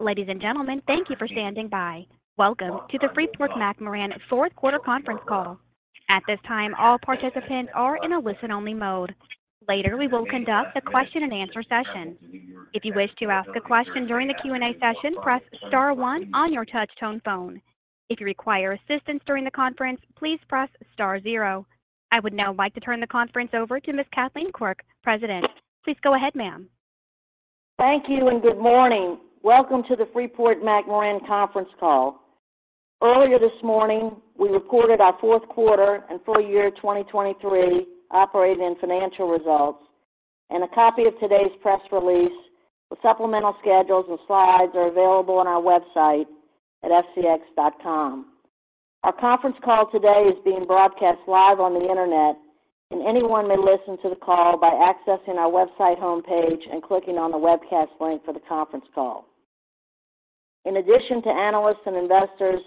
Ladies and gentlemen, thank you for standing by. Welcome to the Freeport-McMoRan fourth quarter conference call. At this time, all participants are in a listen-only mode. Later, we will conduct a question-and-answer session. If you wish to ask a question during the Q&A session, press star one on your touchtone phone. If you require assistance during the conference, please press star zero. I would now like to turn the conference over to Ms. Kathleen Quirk, President. Please go ahead, ma'am. Thank you, and good morning. Welcome to the Freeport-McMoRan conference call. Earlier this morning, we reported our fourth quarter and full year 2023 operating and financial results, and a copy of today's press release with supplemental schedules and slides are available on our website at fcx.com. Our conference call today is being broadcast live on the Internet, and anyone may listen to the call by accessing our website homepage and clicking on the webcast link for the conference call. In addition to analysts and investors,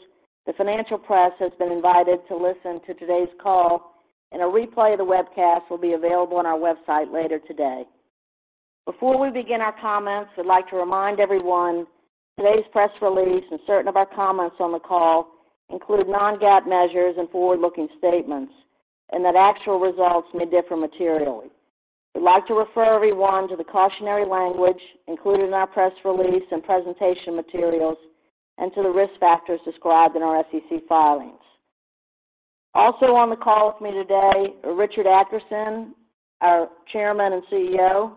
the financial press has been invited to listen to today's call, and a replay of the webcast will be available on our website later today. Before we begin our comments, I'd like to remind everyone, today's press release and certain of our comments on the call include non-GAAP measures and forward-looking statements, and that actual results may differ materially. We'd like to refer everyone to the cautionary language included in our press release and presentation materials and to the risk factors described in our SEC filings. Also on the call with me today are Richard Adkerson, our Chairman and CEO;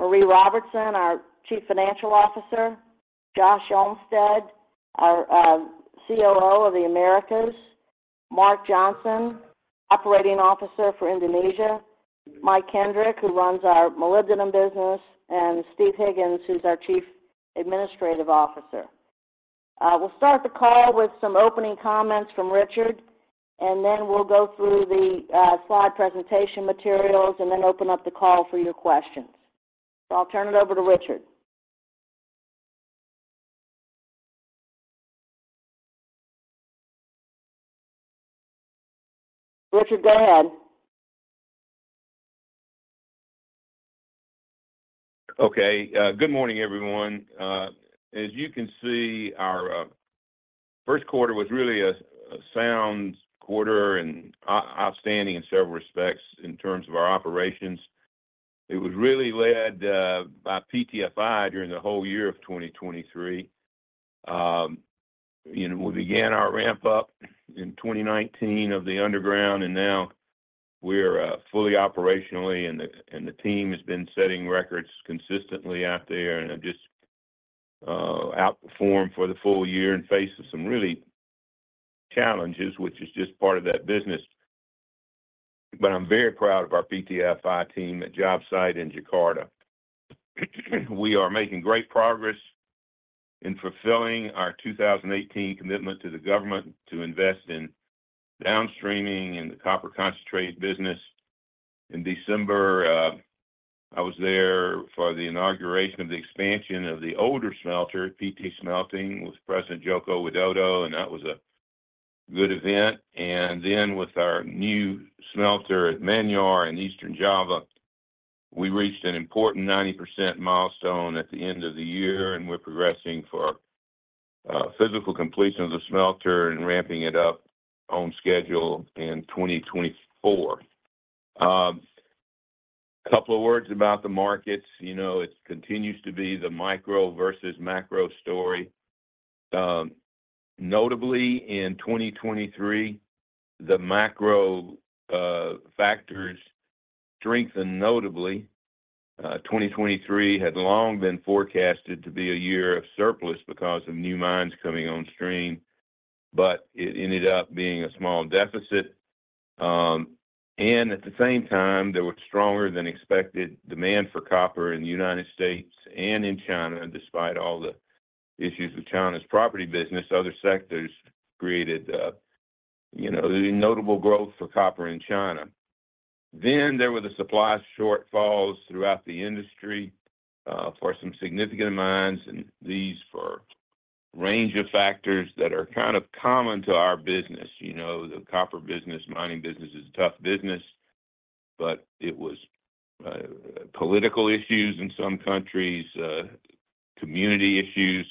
Maree Robertson, our Chief Financial Officer; Josh Olmsted, our COO of the Americas; Mark Johnson, Operating Officer for Indonesia; Mike Kendrick, who runs our molybdenum business; and Steve Higgins, who's our Chief Administrative Officer. We'll start the call with some opening comments from Richard, and then we'll go through the slide presentation materials and then open up the call for your questions. So I'll turn it over to Richard. Richard, go ahead. Okay. Good morning, everyone. As you can see, our first quarter was really a sound quarter and outstanding in several respects in terms of our operations. It was really led by PTFI during the whole year of 2023. You know, we began our ramp up in 2019 of the underground, and now we're fully operational, and the team has been setting records consistently out there and have just outperformed for the full year and faced some real challenges, which is just part of that business. But I'm very proud of our PTFI team at jobsite in Jakarta. We are making great progress in fulfilling our 2018 commitment to the government to invest in downstreaming and the copper concentrate business. In December, I was there for the inauguration of the expansion of the older smelter, PT Smelting, with President Joko Widodo, and that was a good event. And then, with our new smelter at Manyar in East Java, we reached an important 90% milestone at the end of the year, and we're progressing for physical completion of the smelter and ramping it up on schedule in 2024. A couple of words about the markets. You know, it continues to be the micro versus macro story. Notably, in 2023, the macro factors strengthened notably. 2023 had long been forecasted to be a year of surplus because of new mines coming on stream, but it ended up being a small deficit. And at the same time, there was stronger than expected demand for copper in the United States and in China. Despite all the issues with China's property business, other sectors created, you know, notable growth for copper in China. Then there were the supply shortfalls throughout the industry, for some significant mines and these for a range of factors that are kind of common to our business. You know, the copper business, mining business is a tough business, but it was, political issues in some countries, community issues,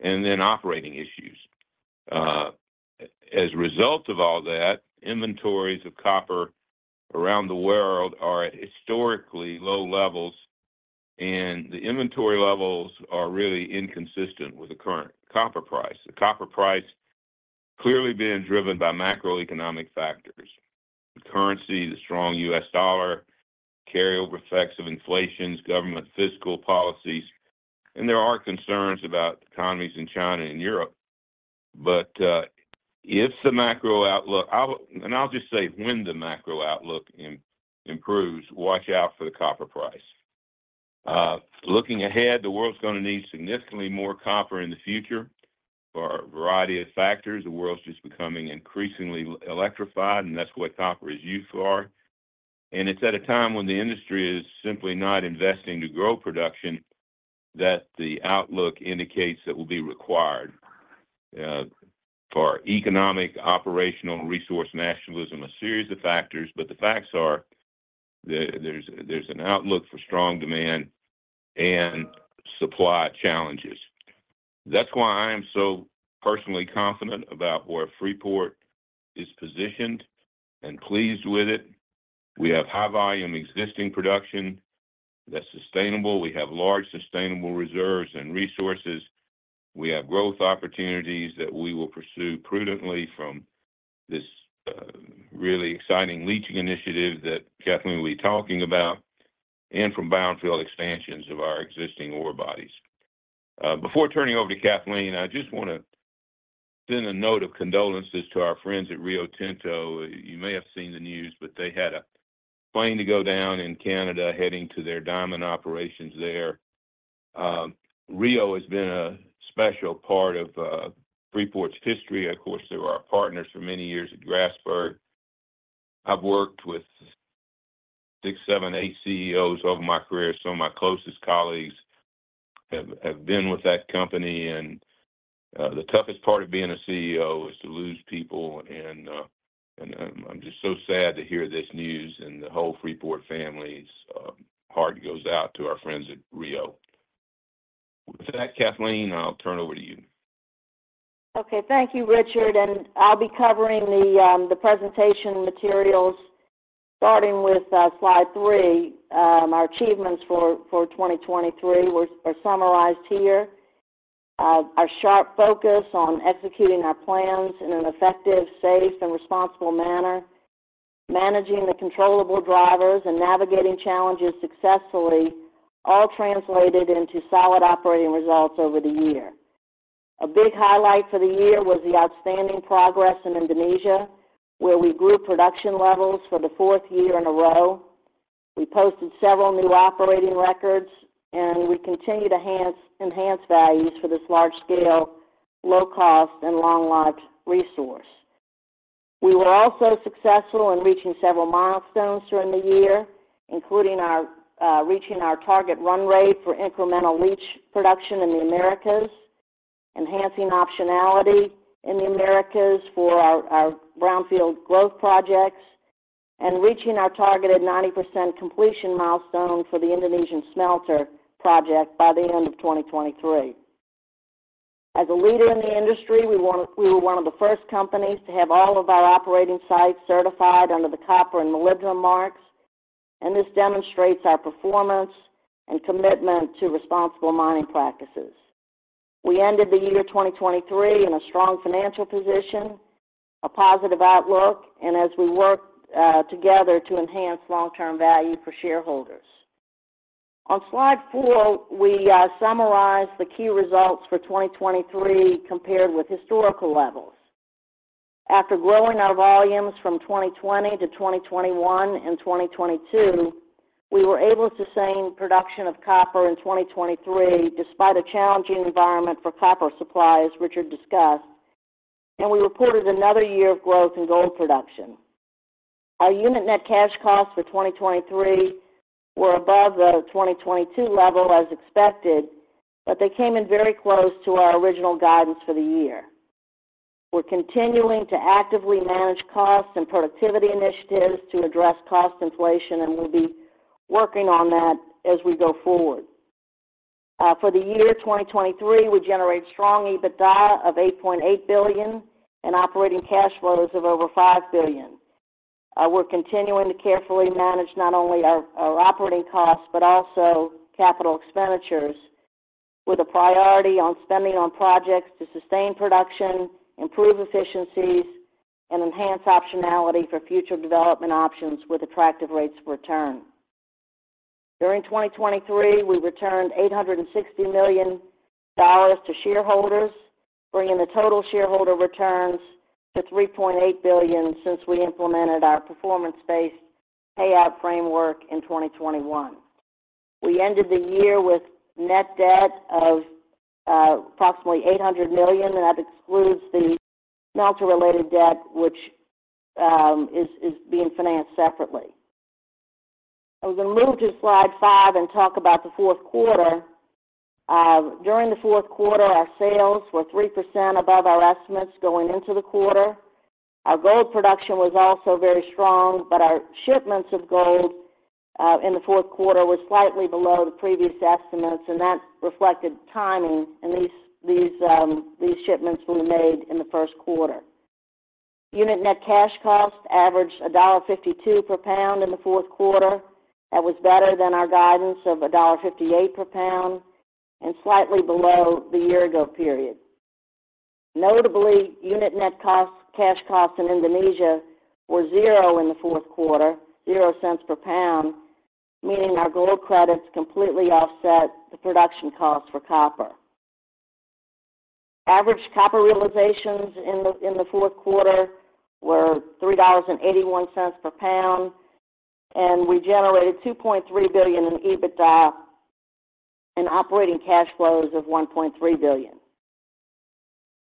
and then operating issues. As a result of all that, inventories of copper around the world are at historically low levels, and the inventory levels are really inconsistent with the current copper price. The copper price clearly being driven by macroeconomic factors: the currency, the strong U.S. dollar, carryover effects of inflations, government fiscal policies, and there are concerns about economies in China and Europe. But, if the macro outlook... I'll just say when the macro outlook improves, watch out for the copper price. Looking ahead, the world's gonna need significantly more copper in the future for a variety of factors. The world's just becoming increasingly electrified, and that's what copper is used for. And it's at a time when the industry is simply not investing to grow production, that the outlook indicates that will be required, for economic, operational, resource nationalism, a series of factors. But the facts are there’s an outlook for strong demand and supply challenges. That's why I am so personally confident about where Freeport is positioned and pleased with it. We have high volume existing production that's sustainable. We have large sustainable reserves and resources. We have growth opportunities that we will pursue prudently from this, really exciting leaching initiative that Kathleen will be talking about, and from brownfield expansions of our existing ore bodies. Before turning over to Kathleen, I just want to send a note of condolences to our friends at Rio Tinto. You may have seen the news, but they had a plane to go down in Canada, heading to their diamond operations there. Rio has been a special part of Freeport's history. Of course, they were our partners for many years at Grasberg. I've worked with six, seven, eight CEOs over my career. Some of my closest colleagues have been with that company, and the toughest part of being a CEO is to lose people, and I'm just so sad to hear this news, and the whole Freeport family's heart goes out to our friends at Rio. With that, Kathleen, I'll turn it over to you. Okay, thank you, Richard, and I'll be covering the presentation materials, starting with Slide three. Our achievements for 2023 are summarized here. Our sharp focus on executing our plans in an effective, safe, and responsible manner, managing the controllable drivers, and navigating challenges successfully, all translated into solid operating results over the year. A big highlight for the year was the outstanding progress in Indonesia, where we grew production levels for the fourth year in a row. We posted several new operating records, and we continue to enhance values for this large-scale, low-cost, and long-lived resource. We were also successful in reaching several milestones during the year, including our reaching our target run rate for incremental leach production in the Americas, enhancing optionality in the Americas for our brownfield growth projects, and reaching our targeted 90% completion milestone for the Indonesian smelter project by the end of 2023. As a leader in the industry, we were one of the first companies to have all of our operating sites certified under the Copper and Molybdenum Marks, and this demonstrates our performance and commitment to responsible mining practices. We ended the year 2023 in a strong financial position, a positive outlook, and as we work together to enhance long-term value for shareholders. On Slide four, we summarize the key results for 2023 compared with historical levels. After growing our volumes from 2020 to 2021 and 2022, we were able to sustain production of copper in 2023, despite a challenging environment for copper supply, as Richard discussed, and we reported another year of growth in gold production. Our unit net cash costs for 2023 were above the 2022 level, as expected, but they came in very close to our original guidance for the year. , We're continuing to actively manage costs and productivity initiatives to address cost inflation, and we'll be working on that as we go forward. For the year 2023, we generated strong EBITDA of $8.8 billion and operating cash flows of over $5 billion. We're continuing to carefully manage not only our, our operating costs, but also capital expenditures, with a priority on spending on projects to sustain production, improve efficiencies, and enhance optionality for future development options with attractive rates of return. During 2023, we returned $860 million to shareholders, bringing the total shareholder returns to $3.8 billion since we implemented our performance-based payout framework in 2021. We ended the year with net debt of approximately $800 million, and that excludes the smelter-related debt, which is being financed separately. I was going to move to Slide five and talk about the fourth quarter. During the fourth quarter, our sales were 3% above our estimates going into the quarter. Our gold production was also very strong, but our shipments of gold in the fourth quarter were slightly below the previous estimates, and that reflected timing, and these shipments will be made in the first quarter. Unit net cash costs averaged $1.52 per pound in the fourth quarter. That was better than our guidance of $1.58 per pound and slightly below the year-ago period. Notably, unit net costs, cash costs in Indonesia were zero in the fourth quarter, zero cents per pound, meaning our gold credits completely offset the production costs for copper. Average copper realizations in the fourth quarter were $3.81 per pound, and we generated $2.3 billion in EBITDA and operating cash flows of $1.3 billion.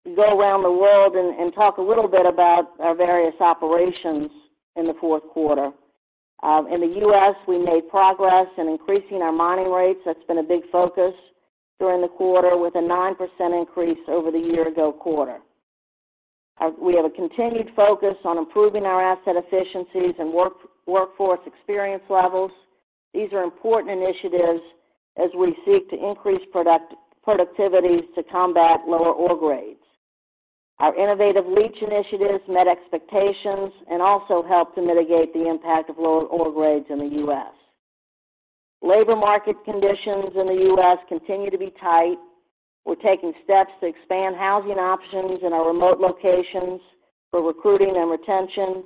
We go around the world and talk a little bit about our various operations in the fourth quarter. In the U.S., we made progress in increasing our mining rates. That's been a big focus during the quarter, with a 9% increase over the year-ago quarter. We have a continued focus on improving our asset efficiencies and work, workforce experience levels. These are important initiatives as we seek to increase productivity to combat lower ore grades. Our innovative leach initiatives met expectations and also helped to mitigate the impact of lower ore grades in the U.S. Labor market conditions in the U.S. continue to be tight. We're taking steps to expand housing options in our remote locations for recruiting and retention,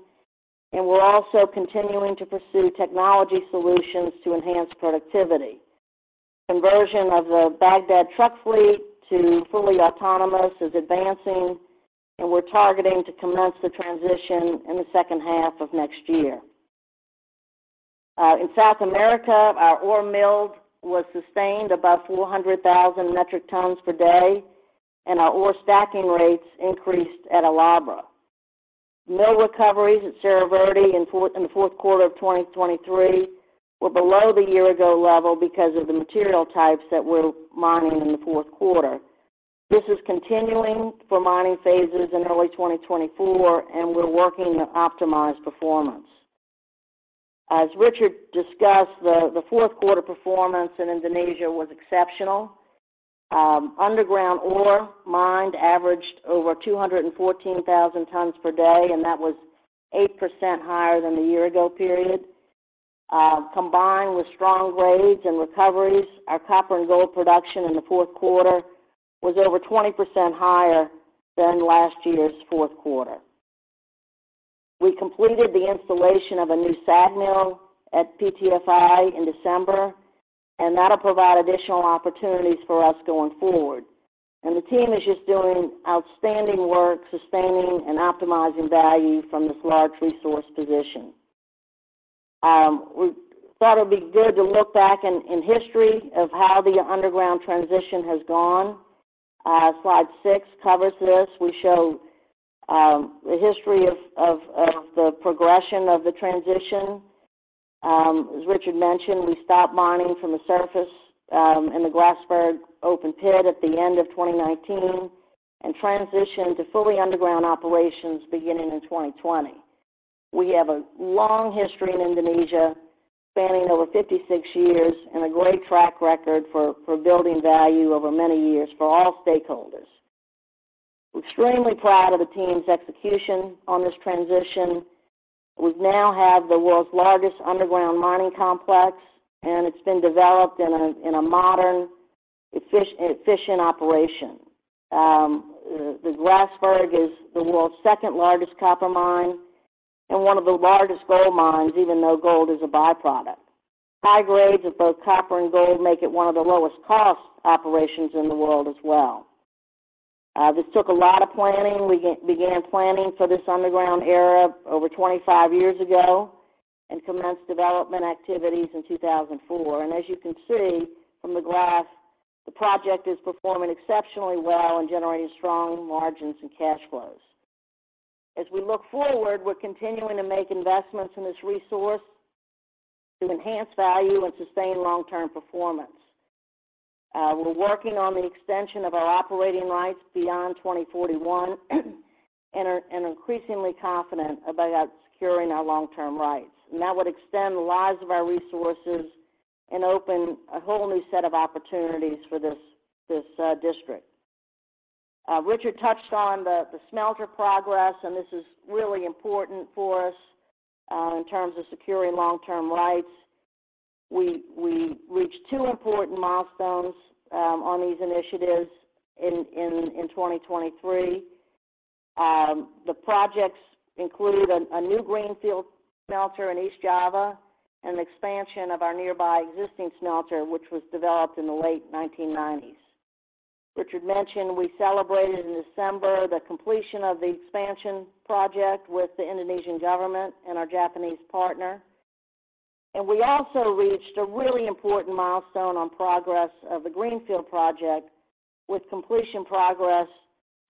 and we're also continuing to pursue technology solutions to enhance productivity. Conversion of the Bagdad truck fleet to fully autonomous is advancing, and we're targeting to commence the transition in the second half of next year. In South America, our ore mill was sustained above 400,000 metric tons per day, and our ore stacking rates increased at El Abra. Mill recoveries at Cerro Verde in the fourth quarter of 2023 were below the year-ago level because of the material types that we were mining in the fourth quarter. This is continuing for mining phases in early 2024, and we're working to optimize performance. As Richard discussed, the fourth quarter performance in Indonesia was exceptional. Underground ore mined averaged over 214,000 tons per day, and that was 8% higher than the year-ago period. Combined with strong grades and recoveries, our copper and gold production in the fourth quarter was over 20% higher than last year's fourth quarter. We completed the installation of a new SAG mill at PTFI in December, and that'll provide additional opportunities for us going forward. The team is just doing outstanding work, sustaining and optimizing value from this large resource position. We thought it'd be good to look back in history of how the underground transition has gone. Slide six covers this. We show the history of the progression of the transition. As Richard mentioned, we stopped mining from the surface in the Grasberg open pit at the end of 2019 and transitioned to fully underground operations beginning in 2020. We have a long history in Indonesia, spanning over 56 years, and a great track record for building value over many years for all stakeholders. Extremely proud of the team's execution on this transition. We now have the world's largest underground mining complex, and it's been developed in a modern, efficient operation. The Grasberg is the world's second-largest copper mine and one of the largest gold mines, even though gold is a by-product. High grades of both copper and gold make it one of the lowest-cost operations in the world as well. This took a lot of planning. We began planning for this underground era over 25 years ago and commenced development activities in 2004. As you can see from the graph, the project is performing exceptionally well and generating strong margins and cash flows. As we look forward, we're continuing to make investments in this resource to enhance value and sustain long-term performance. We're working on the extension of our operating rights beyond 2041, and are increasingly confident about securing our long-term rights. That would extend the lives of our resources and open a whole new set of opportunities for this district. Richard touched on the smelter progress, and this is really important for us in terms of securing long-term rights. We reached two important milestones on these initiatives in 2023. The projects include a new greenfield smelter in East Java and an expansion of our nearby existing smelter, which was developed in the late 1990s. Richard mentioned we celebrated in December the completion of the expansion project with the Indonesian government and our Japanese partner, and we also reached a really important milestone on progress of the greenfield project, with completion progress,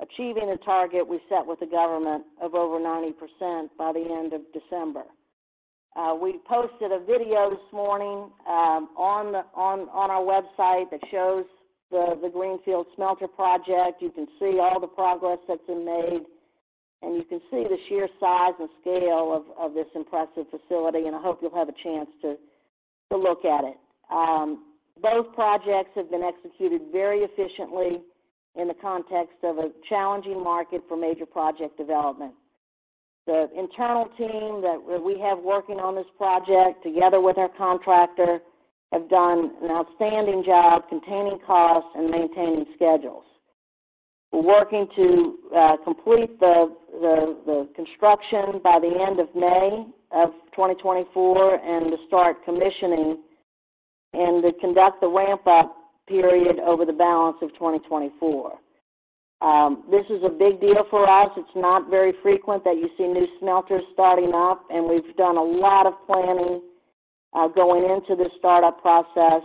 achieving the target we set with the government of over 90% by the end of December. We posted a video this morning on our website that shows the greenfield smelter project. You can see all the progress that's been made, and you can see the sheer size and scale of this impressive facility, and I hope you'll have a chance to look at it. Both projects have been executed very efficiently in the context of a challenging market for major project development. The internal team that we have working on this project, together with our contractor, have done an outstanding job containing costs and maintaining schedules. We're working to complete the construction by the end of May of 2024 and to start commissioning and to conduct the ramp-up period over the balance of 2024. This is a big deal for us. It's not very frequent that you see new smelters starting up, and we've done a lot of planning going into this startup process.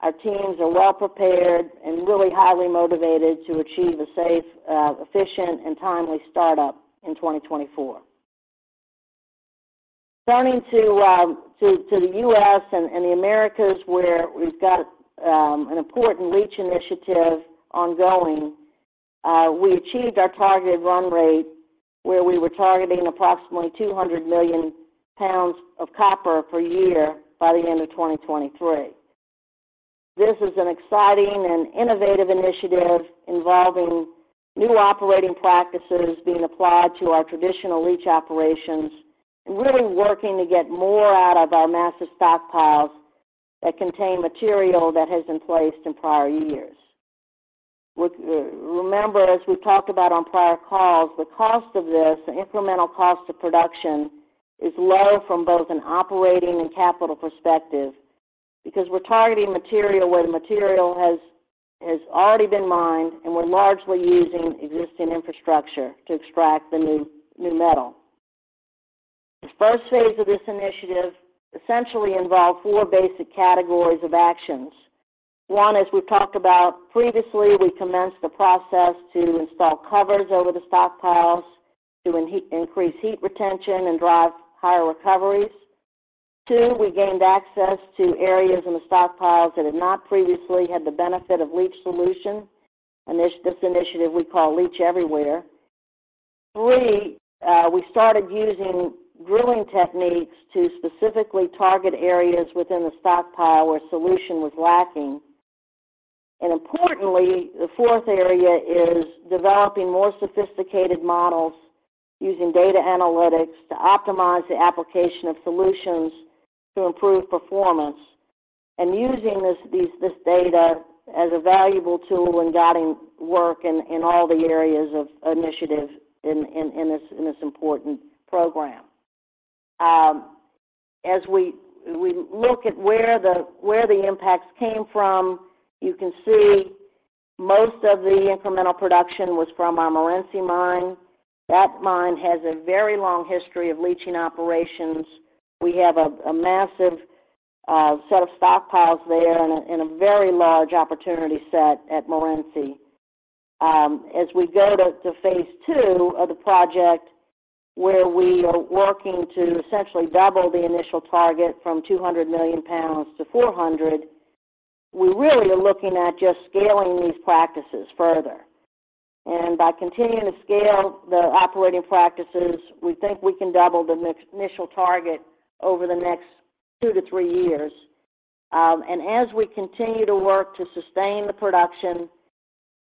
Our teams are well prepared and really highly motivated to achieve a safe, efficient, and timely startup in 2024. Turning to the U.S. and the Americas, where we've got an important leach initiative ongoing, we achieved our targeted run rate, where we were targeting approximately 200 million pounds of copper per year by the end of 2023. This is an exciting and innovative initiative involving new operating practices being applied to our traditional leach operations, and really working to get more out of our massive stockpiles that contain material that has been placed in prior years. Remember, as we talked about on prior calls, the cost of this, the incremental cost of production, is low from both an operating and capital perspective, because we're targeting material where the material has already been mined, and we're largely using existing infrastructure to extract the new metal. The first phase of this initiative essentially involved four basic categories of actions. One, as we've talked about previously, we commenced the process to install covers over the stockpiles to increase heat retention and drive higher recoveries. Two, we gained access to areas in the stockpiles that had not previously had the benefit of leach solution, and this initiative we call Leach Everywhere. Three, we started using drilling techniques to specifically target areas within the stockpile where solution was lacking. And importantly, the fourth area is developing more sophisticated models using data analytics to optimize the application of solutions to improve performance, and using this data as a valuable tool in guiding work in this important program. As we look at where the impacts came from, you can see most of the incremental production was from our Morenci mine. That mine has a very long history of leaching operations. We have a massive set of stockpiles there and a very large opportunity set at Morenci. As we go to phase two of the project, where we are working to essentially double the initial target from 200 million pounds to 400, we really are looking at just scaling these practices further. And by continuing to scale the operating practices, we think we can double the next initial target over the next 2-3 years. And as we continue to work to sustain the production,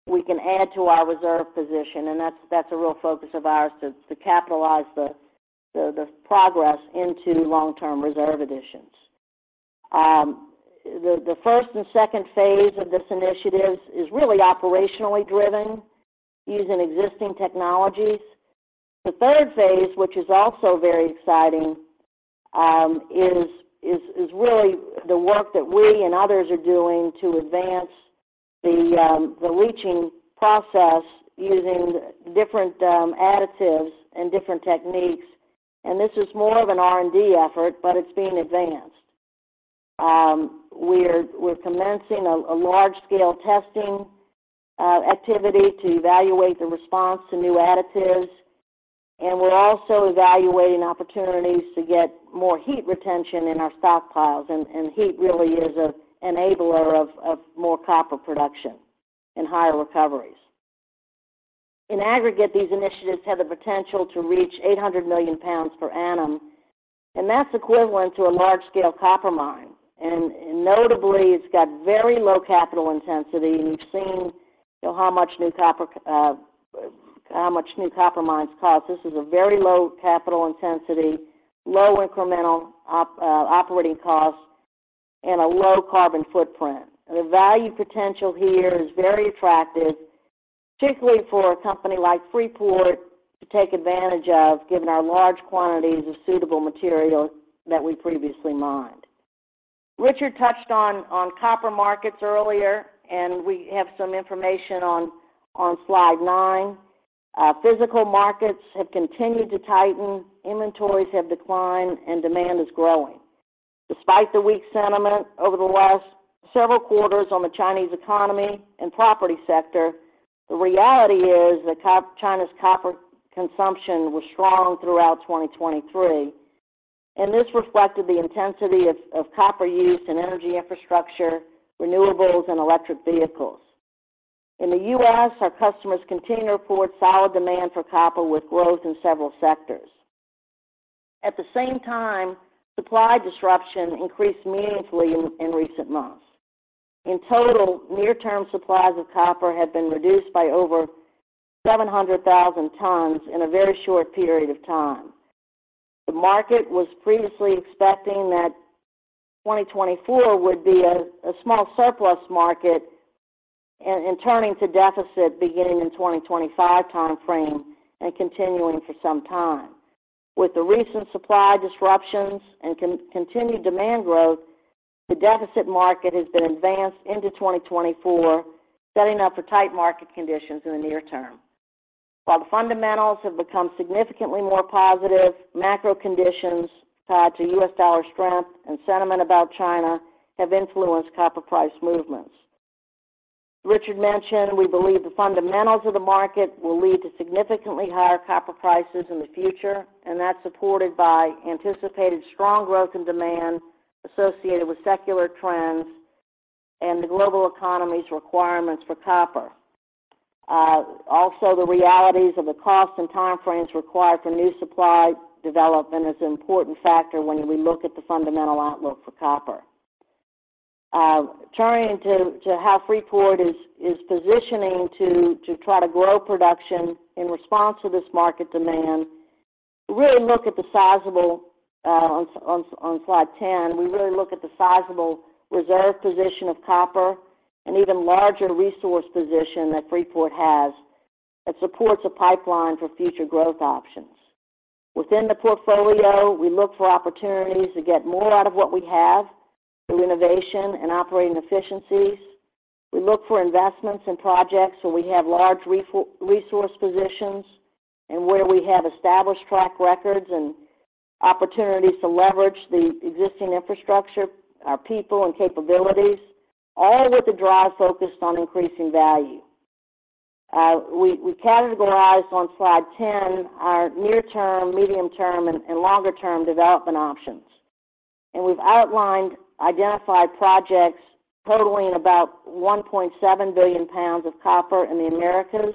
we can add to our reserve position, and that's a real focus of ours, to capitalize the progress into long-term reserve additions. The first and second phase of this initiative is really operationally driven using existing technologies. The third phase, which is also very exciting, is really the work that we and others are doing to advance the leaching process using different additives and different techniques, and this is more of an R&D effort, but it's being advanced. We're commencing a large-scale testing activity to evaluate the response to new additives, and we're also evaluating opportunities to get more heat retention in our stockpiles, and heat really is an enabler of more copper production and higher recoveries. In aggregate, these initiatives have the potential to reach 800 million pounds per annum, and that's equivalent to a large-scale copper mine. Notably, it's got very low capital intensity, and you've seen, you know, how much new copper mines cost. This is a very low capital intensity, low incremental operating costs, and a low carbon footprint. The value potential here is very attractive, particularly for a company like Freeport to take advantage of, given our large quantities of suitable material that we previously mined. Richard touched on copper markets earlier, and we have some information on slide nine. Physical markets have continued to tighten, inventories have declined, and demand is growing. Despite the weak sentiment over the last several quarters on the Chinese economy and property sector, the reality is that China's copper consumption was strong throughout 2023, and this reflected the intensity of copper use in energy infrastructure, renewables, and electric vehicles. In the U.S., our customers continue to report solid demand for copper, with growth in several sectors. At the same time, supply disruption increased meaningfully in recent months. In total, near-term supplies of copper have been reduced by over 700,000 tons in a very short period of time. The market was previously expecting that 2024 would be a small surplus market and turning to deficit beginning in 2025 timeframe and continuing for some time. With the recent supply disruptions and continued demand growth, the deficit market has been advanced into 2024, setting up for tight market conditions in the near term. While the fundamentals have become significantly more positive, macro conditions tied to U.S. dollar strength and sentiment about China have influenced copper price movements. Richard mentioned, we believe the fundamentals of the market will lead to significantly higher copper prices in the future, and that's supported by anticipated strong growth in demand associated with secular trends and the global economy's requirements for copper. Also, the realities of the costs and time frames required for new supply development is an important factor when we look at the fundamental outlook for copper. Turning to how Freeport is positioning to try to grow production in response to this market demand, we really look at the sizable reserve position of copper and even larger resource position that Freeport has that supports a pipeline for future growth options. Within the portfolio, we look for opportunities to get more out of what we have through innovation and operating efficiencies. We look for investments in projects where we have large resource positions and where we have established track records and opportunities to leverage the existing infrastructure, our people and capabilities, all with a drive focused on increasing value. We categorized on Slide 10 our near-term, medium-term, and longer-term development options, and we've outlined identified projects totaling about 1.7 billion pounds of copper in the Americas.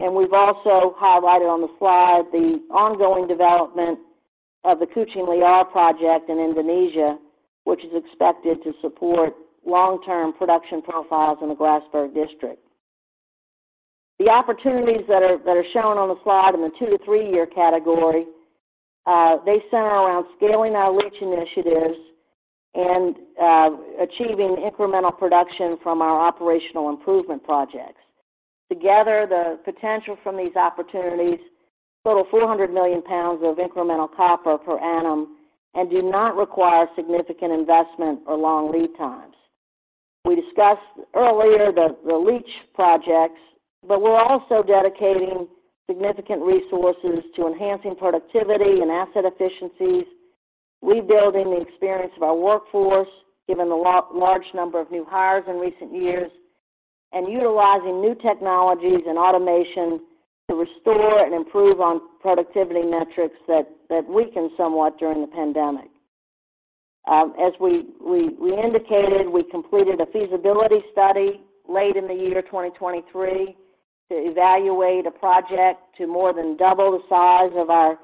We've also highlighted on the slide the ongoing development of the Kucing Liar project in Indonesia, which is expected to support long-term production profiles in the Grasberg District. The opportunities that are shown on the slide in the 2-to-3-year category, they center around scaling our leach initiatives and achieving incremental production from our operational improvement projects. Together, the potential from these opportunities total 400 million pounds of incremental copper per annum and do not require significant investment or long lead times. We discussed earlier the leach projects, but we're also dedicating significant resources to enhancing productivity and asset efficiencies, rebuilding the experience of our workforce, given the large number of new hires in recent years, and utilizing new technologies and automation to restore and improve on productivity metrics that weakened somewhat during the pandemic. As we indicated, we completed a feasibility study late in the year 2023 to evaluate a project to more than double the size of our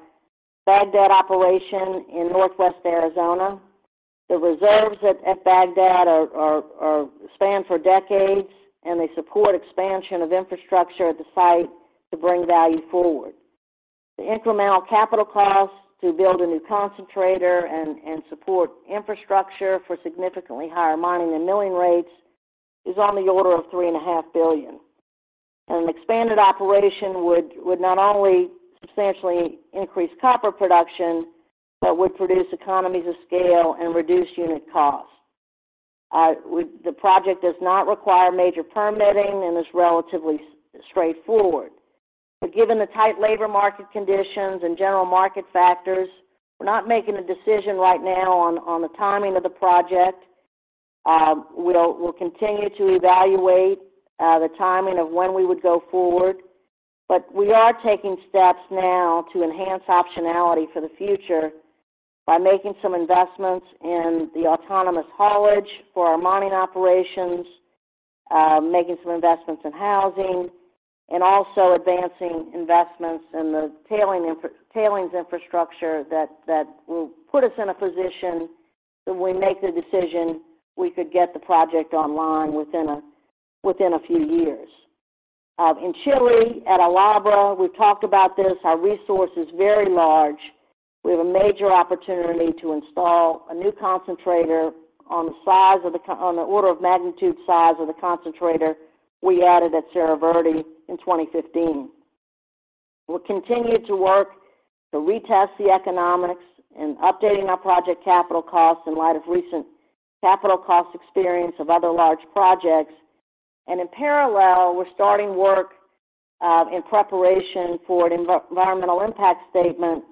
Bagdad operation in northwest Arizona. The reserves at Bagdad are span for decades, and they support expansion of infrastructure at the site to bring value forward. The incremental capital costs to build a new concentrator and support infrastructure for significantly higher mining and milling rates is on the order of $3.5 billion. An expanded operation would not only substantially increase copper production, but would produce economies of scale and reduce unit costs. The project does not require major permitting and is relatively straightforward. But given the tight labor market conditions and general market factors, we're not making a decision right now on the timing of the project. We'll continue to evaluate the timing of when we would go forward, but we are taking steps now to enhance optionality for the future by making some investments in the autonomous haulage for our mining operations, making some investments in housing, and also advancing investments in the tailings infrastructure that will put us in a position that if we make the decision, we could get the project online within a few years. In Chile, at El Abra, we've talked about this, our resource is very large. We have a major opportunity to install a new concentrator on the order of magnitude size of the concentrator we added at Cerro Verde in 2015. We'll continue to work to retest the economics and updating our project capital costs in light of recent capital cost experience of other large projects. And in parallel, we're starting work in preparation for an environmental impact statement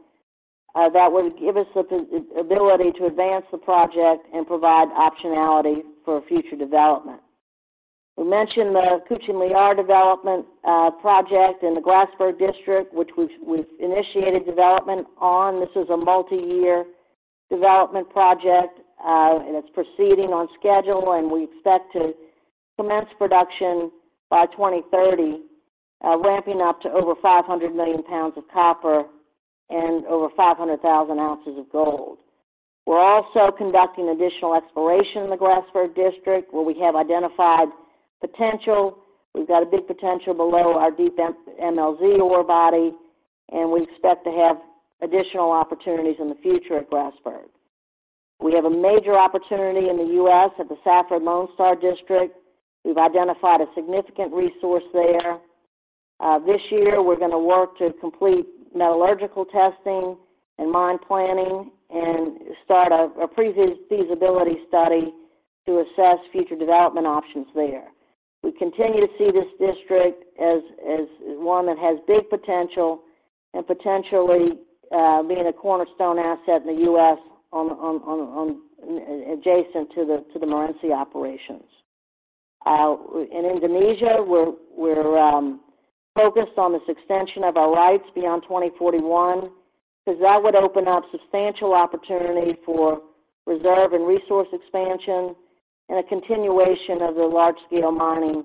that would give us the ability to advance the project and provide optionality for future development. We mentioned the Kucing Liar development project in the Grasberg District, which we've initiated development on. This is a multiyear development project, and it's proceeding on schedule, and we expect to commence production by 2030, ramping up to over 500 million pounds of copper and over 500,000 ounces of gold. We're also conducting additional exploration in the Grasberg District, where we have identified potential. We've got a big potential below our deep DMLZ ore body, and we expect to have additional opportunities in the future at Grasberg. We have a major opportunity in the U.S. at the Safford/Lone Star District. We've identified a significant resource there. This year, we're going to work to complete metallurgical testing and mine planning and start a pre-feasibility study to assess future development options there. We continue to see this district as one that has big potential. and potentially being a cornerstone asset in the U.S. one adjacent to the Morenci operations. In Indonesia, we're focused on this extension of our rights beyond 2041, because that would open up substantial opportunity for reserve and resource expansion and a continuation of the large-scale mining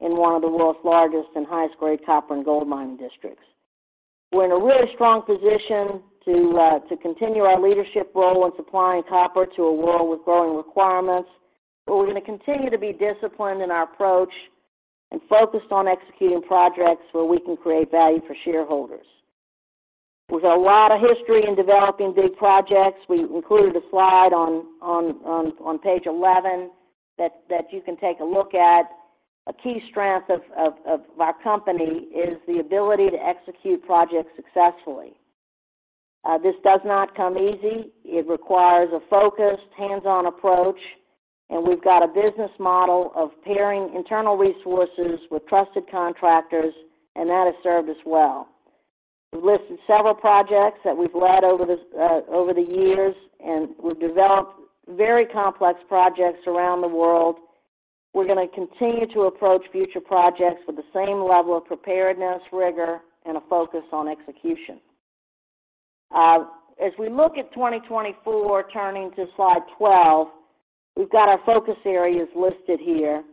in one of the world's largest and highest grade copper and gold mining districts. We're in a really strong position to continue our leadership role in supplying copper to a world with growing requirements, but we're going to continue to be disciplined in our approach and focused on executing projects where we can create value for shareholders. With a lot of history in developing big projects, we included a slide on page 11 that you can take a look at. A key strength of our company is the ability to execute projects successfully. This does not come easy. It requires a focused, hands-on approach, and we've got a business model of pairing internal resources with trusted contractors, and that has served us well. We've listed several projects that we've led over the years, and we've developed very complex projects around the world. We're going to continue to approach future projects with the same level of preparedness, rigor, and a focus on execution. As we look at 2024, turning to Slide 12, we've got our focus areas listed here.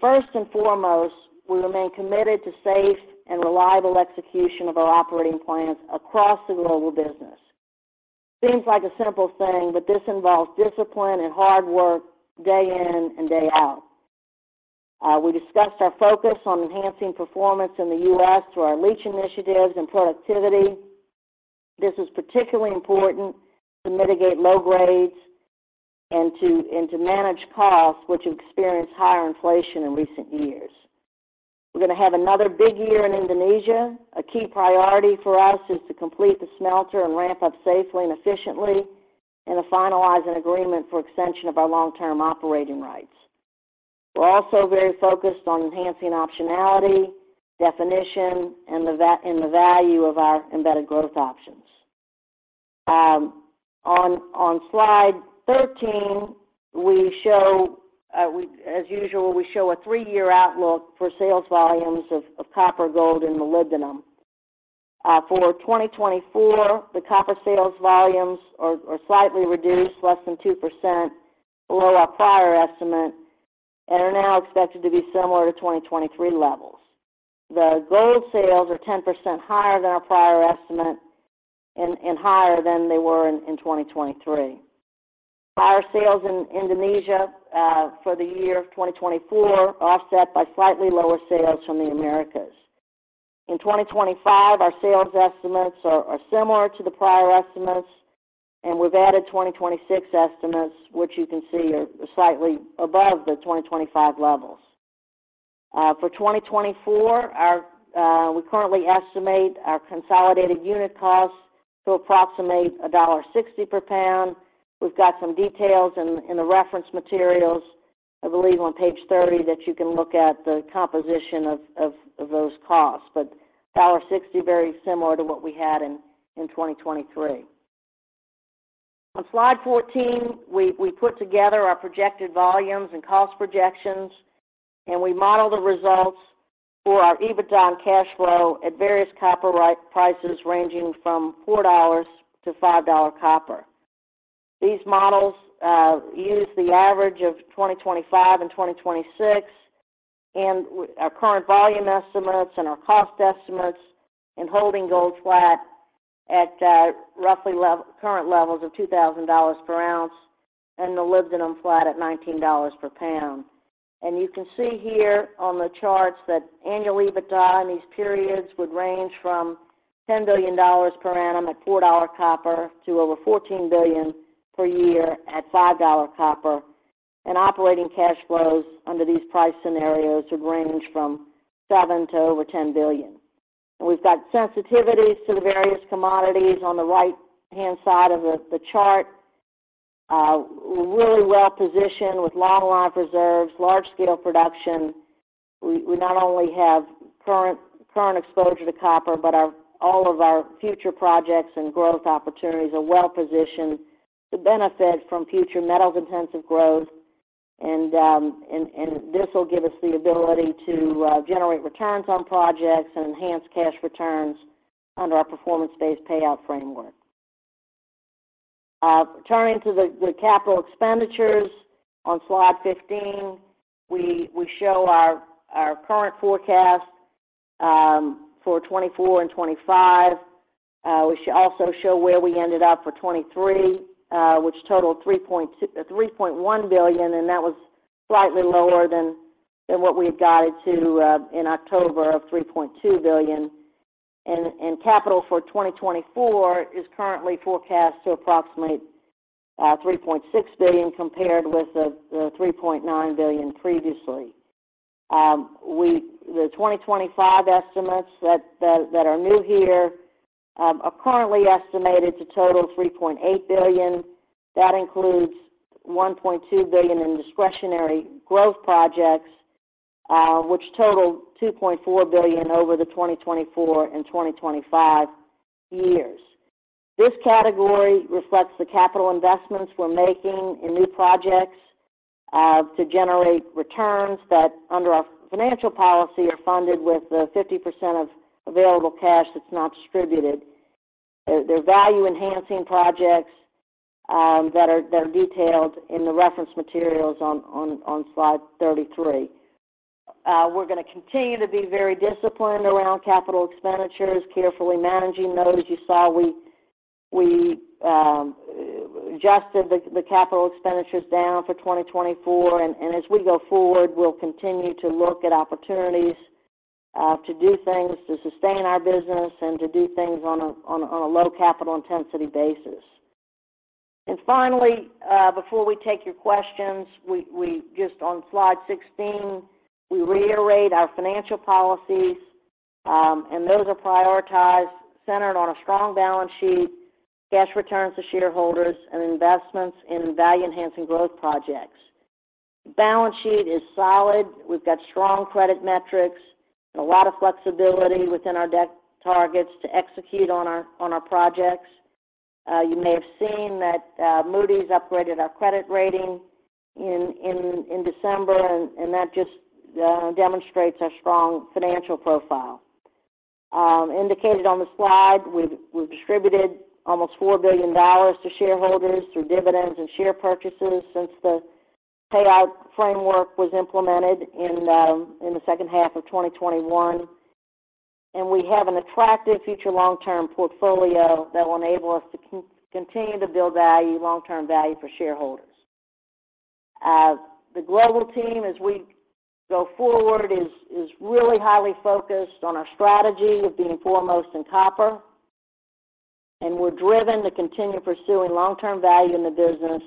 First and foremost, we remain committed to safe and reliable execution of our operating plans across the global business. Seems like a simple thing, but this involves discipline and hard work, day in and day out. We discussed our focus on enhancing performance in the U.S. through our leach initiatives and productivity. This is particularly important to mitigate low grades and to manage costs, which have experienced higher inflation in recent years. We're going to have another big year in Indonesia. A key priority for us is to complete the smelter and ramp up safely and efficiently, and to finalize an agreement for extension of our long-term operating rights. We're also very focused on enhancing optionality, definition, and the value of our embedded growth options. On Slide 13, as usual, we show a three-year outlook for sales volumes of copper, gold, and molybdenum. For 2024, the copper sales volumes are slightly reduced, less than 2% below our prior estimate and are now expected to be similar to 2023 levels. The gold sales are 10% higher than our prior estimate and higher than they were in 2023. Higher sales in Indonesia for the year of 2024, offset by slightly lower sales from the Americas. In 2025, our sales estimates are similar to the prior estimates, and we've added 2026 estimates, which you can see are slightly above the 2025 levels. For 2024, we currently estimate our consolidated unit costs to approximate $1.60 per pound. We've got some details in the reference materials, I believe on page 30, that you can look at the composition of those costs, but $1.60, very similar to what we had in 2023. On Slide 14, we put together our projected volumes and cost projections, and we model the results for our EBITDA and cash flow at various copper prices, ranging from $4-$5 copper. These models use the average of 2025 and 2026, and our current volume estimates and our cost estimates, and holding gold flat at roughly current levels of $2,000 per ounce and molybdenum flat at $19 per pound. And you can see here on the charts that annual EBITDA in these periods would range from $10 billion per annum at $4 copper to over $14 billion per year at $5 copper. And operating cash flows under these price scenarios would range from $7 billion to over $10 billion. We've got sensitivities to the various commodities on the right-hand side of the chart. We're really well positioned with long life reserves, large-scale production. We not only have current exposure to copper, but all of our future projects and growth opportunities are well positioned to benefit from future metals-intensive growth. And this will give us the ability to generate returns on projects and enhance cash returns under our performance-based payout framework. Turning to the capital expenditures on Slide 15, we show our current forecast for 2024 and 2025. We also show where we ended up for 2023, which totaled $3.1 billion, and that was slightly lower than what we had guided to in October of $3.2 billion. Capital for 2024 is currently forecast to approximately $3.6 billion, compared with the $3.9 billion previously. The 2025 estimates that are new here are currently estimated to total $3.8 billion. That includes $1.2 billion in discretionary growth projects, which totaled $2.4 billion over the 2024 and 2025 years. This category reflects the capital investments we're making in new projects to generate returns that, under our financial policy, are funded with the 50% of available cash that's not distributed. They're value-enhancing projects that are detailed in the reference materials on slide 33. We're gonna continue to be very disciplined around capital expenditures, carefully managing those. You saw we adjusted the capital expenditures down for 2024, and as we go forward, we'll continue to look at opportunities to do things to sustain our business and to do things on a low capital intensity basis. And finally, before we take your questions, we just on Slide 16, we reiterate our financial policies, and those are prioritized, centered on a strong balance sheet, cash returns to shareholders, and investments in value-enhancing growth projects. Balance sheet is solid. We've got strong credit metrics and a lot of flexibility within our debt targets to execute on our projects. You may have seen that, Moody's upgraded our credit rating in December, and that just demonstrates our strong financial profile. Indicated on the slide, we've distributed almost $4 billion to shareholders through dividends and share purchases since the payout framework was implemented in the second half of 2021. And we have an attractive future long-term portfolio that will enable us to continue to build value, long-term value for shareholders. The global team, as we go forward, is really highly focused on our strategy of being foremost in copper, and we're driven to continue pursuing long-term value in the business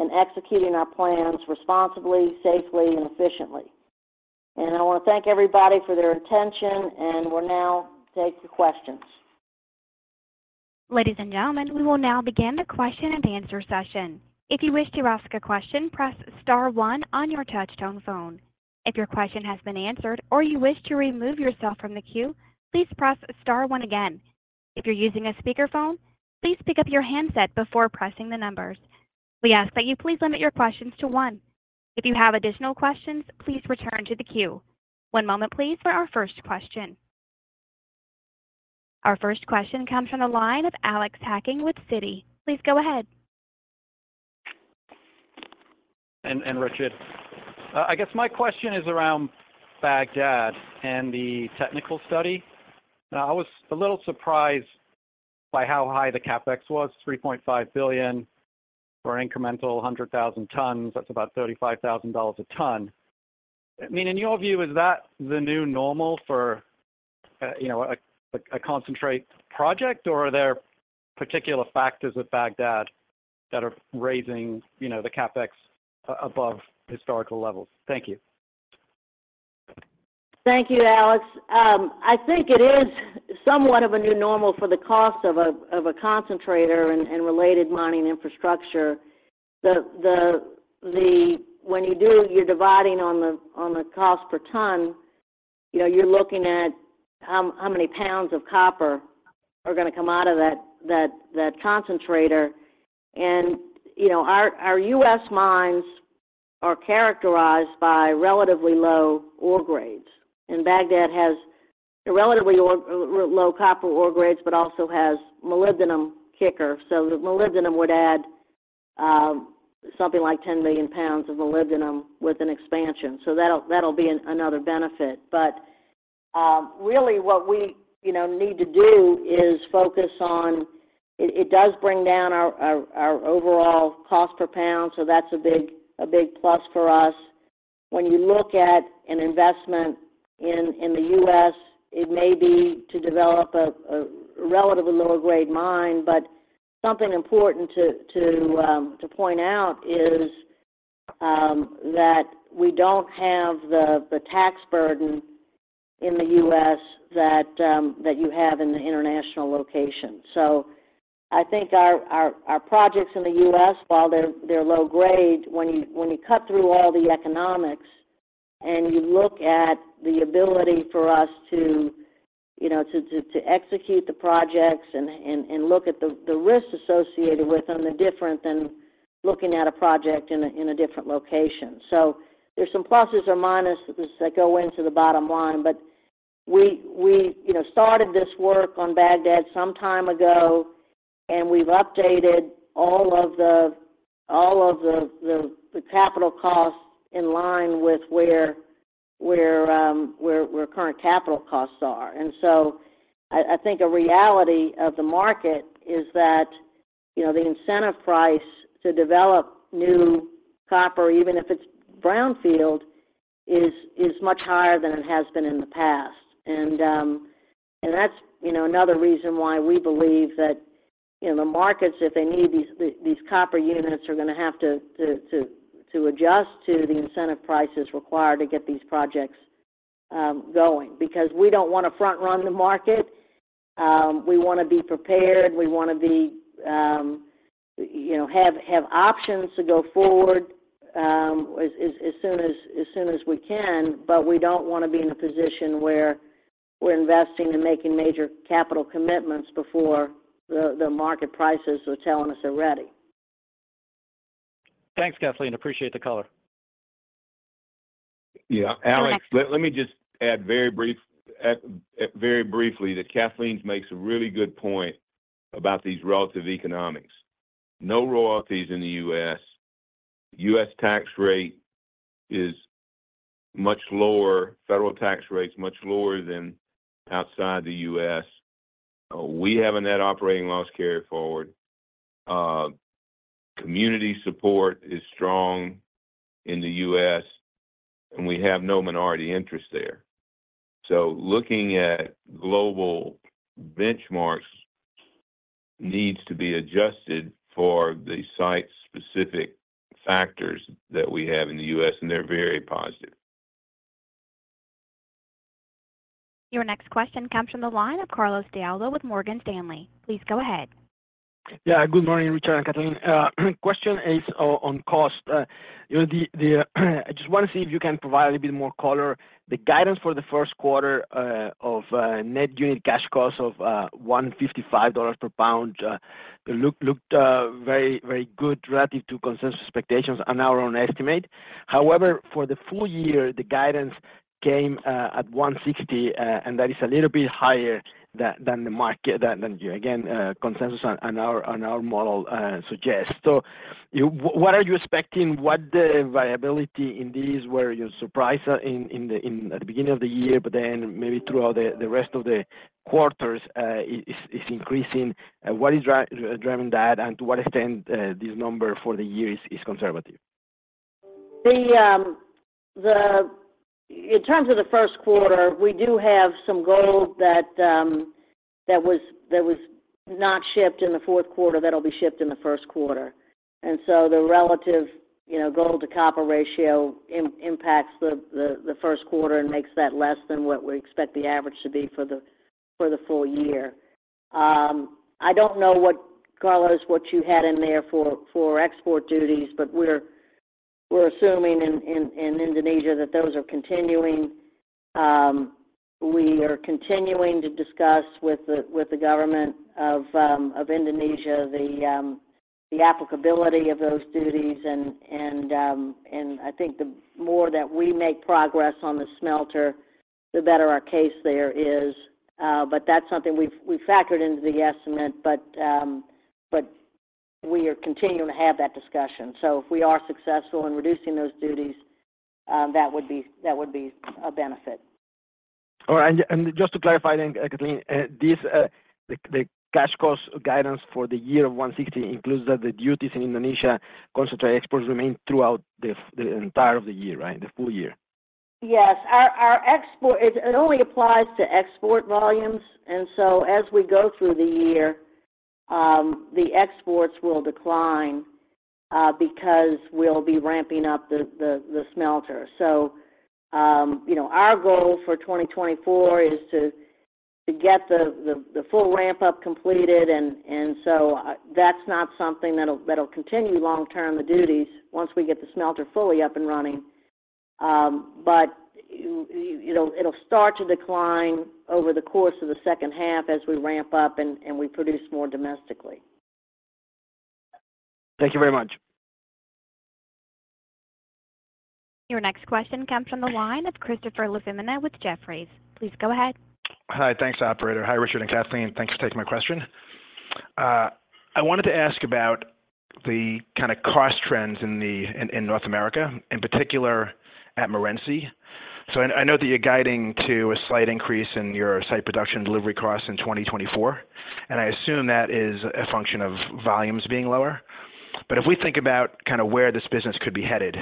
and executing our plans responsibly, safely, and efficiently. I wanna thank everybody for their attention, and we'll now take the questions. Ladies and gentlemen, we will now begin the question-and-answer session. If you wish to ask a question, press star one on your touch-tone phone. If your question has been answered or you wish to remove yourself from the queue, please press star one again. If you're using a speakerphone, please pick up your handset before pressing the numbers. We ask that you please limit your questions to one. If you have additional questions, please return to the queue. One moment, please, for our first question. Our first question comes from the line of Alex Hacking with Citi. Please go ahead. Richard, I guess my question is around Bagdad and the technical study. Now, I was a little surprised by how high the CapEx was, $3.5 billion for incremental 100,000 tons. That's about $35,000 a ton. I mean, in your view, is that the new normal for, you know, a, a concentrate project, or are there particular factors with Bagdad that are raising, you know, the CapEx above historical levels? Thank you. Thank you, Alex. I think it is somewhat of a new normal for the cost of a concentrator and related mining infrastructure. When you do, you're dividing on the cost per ton, you know, you're looking at how many pounds of copper are gonna come out of that concentrator. And, you know, our U.S. mines are characterized by relatively low ore grades, and Bagdad has a relatively low copper ore grades, but also has molybdenum kicker. So the molybdenum would add something like 10 million pounds of molybdenum with an expansion, so that'll be another benefit. But really what we need to do is focus on. It does bring down our overall cost per pound, so that's a big plus for us. When you look at an investment in the U.S., it may be to develop a relatively lower grade mine, but something important to point out is that we don't have the tax burden in the U.S. that you have in the international locations. So I think our projects in the U.S., while they're low grade, when you cut through all the economics and you look at the ability for us to, you know, to execute the projects and look at the risks associated with them, they're different than looking at a project in a different location. So there's some pluses or minuses that go into the bottom line, but we, you know, started this work on Bagdad some time ago, and we've updated all of the capital costs in line with where current capital costs are. And so I think a reality of the market is that, you know, the incentive price to develop new copper, even if it's brownfield, is much higher than it has been in the past. And that's, you know, another reason why we believe that, you know, the markets, if they need these copper units, are gonna have to adjust to the incentive prices required to get these projects going, because we don't wanna front run the market. We wanna be prepared, we wanna be, you know, have options to go forward as soon as we can. But we don't wanna be in a position where we're investing and making major capital commitments before the market prices are telling us they're ready. Thanks, Kathleen. Appreciate the color. Yeah, Alex- Our next- Let me just add very briefly that Kathleen makes a really good point about these relative economics. No royalties in the U.S. U.S. tax rate is much lower, federal tax rate's much lower than outside the U.S. We have a net operating loss carry forward. Community support is strong in the U.S., and we have no minority interest there. So looking at global benchmarks needs to be adjusted for the site-specific factors that we have in the U.S., and they're very positive. Your next question comes from the line of Carlos de Alba with Morgan Stanley. Please go ahead. Yeah, good morning, Richard and Kathleen. Question is on cost. You know, the, the, I just wanna see if you can provide a little bit more color. The guidance for the first quarter of net unit cash cost of $155 per pound looked very, very good relative to consensus expectations and our own estimate. However, for the full year, the guidance came at $160 and that is a little bit higher than the market, than again consensus on our model suggests. So what are you expecting? What the variability in these, were you surprised in the beginning of the year, but then maybe throughout the rest of the quarters is increasing? What is driving that, and to what extent this number for the year is conservative? In terms of the first quarter, we do have some gold that was not shipped in the fourth quarter. That'll be shipped in the first quarter. And so the relative, you know, gold-to-copper ratio impacts the first quarter and makes that less than what we expect the average to be for the full year. I don't know, Carlos, what you had in there for export duties, but we're assuming in Indonesia that those are continuing. We are continuing to discuss with the Government of Indonesia the applicability of those duties. And I think the more that we make progress on the smelter, the better our case there is. But that's something we've factored into the estimate, but we are continuing to have that discussion. So if we are successful in reducing those duties, that would be a benefit. All right. And just to clarify then, Kathleen, the cash cost guidance for the year of $160 includes that the duties in Indonesia, concentrate exports remain throughout the entire of the year, right? The full year. Yes. Our export, it only applies to export volumes, and so as we go through the year, the exports will decline, because we'll be ramping up the smelter. So, you know, our goal for 2024 is to get the full ramp-up completed, and so, that's not something that'll continue long term, the duties, once we get the smelter fully up and running. But it'll start to decline over the course of the second half as we ramp up and we produce more domestically. Thank you very much. Your next question comes from the line of Christopher LaFemina with Jefferies. Please go ahead. Hi. Thanks, operator. Hi, Richard and Kathleen. Thanks for taking my question. I wanted to ask about the kind of cost trends in North America, in particular at Morenci. So I know that you're guiding to a slight increase in your site production delivery costs in 2024, and I assume that is a function of volumes being lower. But if we think about kind of where this business could be headed,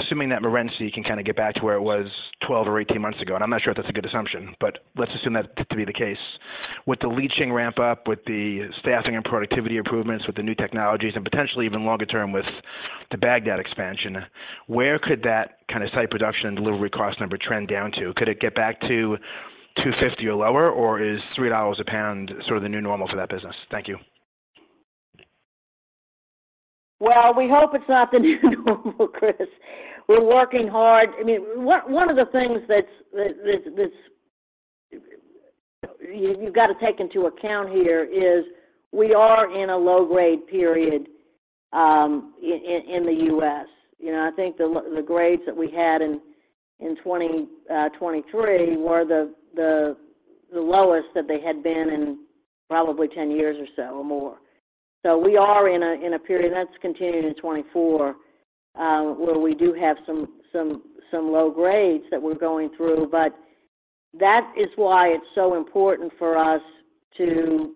assuming that Morenci can kind of get back to where it was 12 or 18 months ago, and I'm not sure if that's a good assumption, but let's assume that to be the case. With the leaching ramp up, with the staffing and productivity improvements, with the new technologies, and potentially even longer term with the Bagdad expansion, where could that kind of site production delivery cost number trend down to? Could it get back to $2.50 or lower, or is $3 a pound sort of the new normal for that business? Thank you. Well, we hope it's not the new normal, Chris. We're working hard. I mean, one of the things that's... You've got to take into account here is we are in a low-grade period in the U.S. You know, I think the grades that we had in 2023 were the lowest that they had been in probably 10 years or so or more. So we are in a period, and that's continued in 2024, where we do have some low grades that we're going through, but that is why it's so important for us to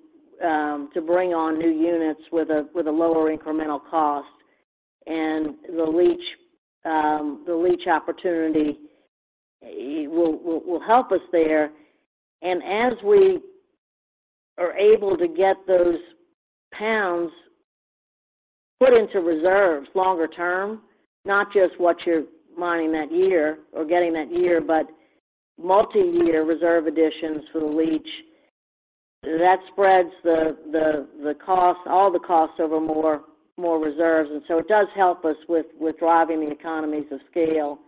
bring on new units with a lower incremental cost. And the leach opportunity will help us there. And as we are able to get those pounds-... put into reserves longer term, not just what you're mining that year or getting that year, but multi-year reserve additions for the leach. That spreads the cost, all the costs over more reserves, and so it does help us with driving the economies of scale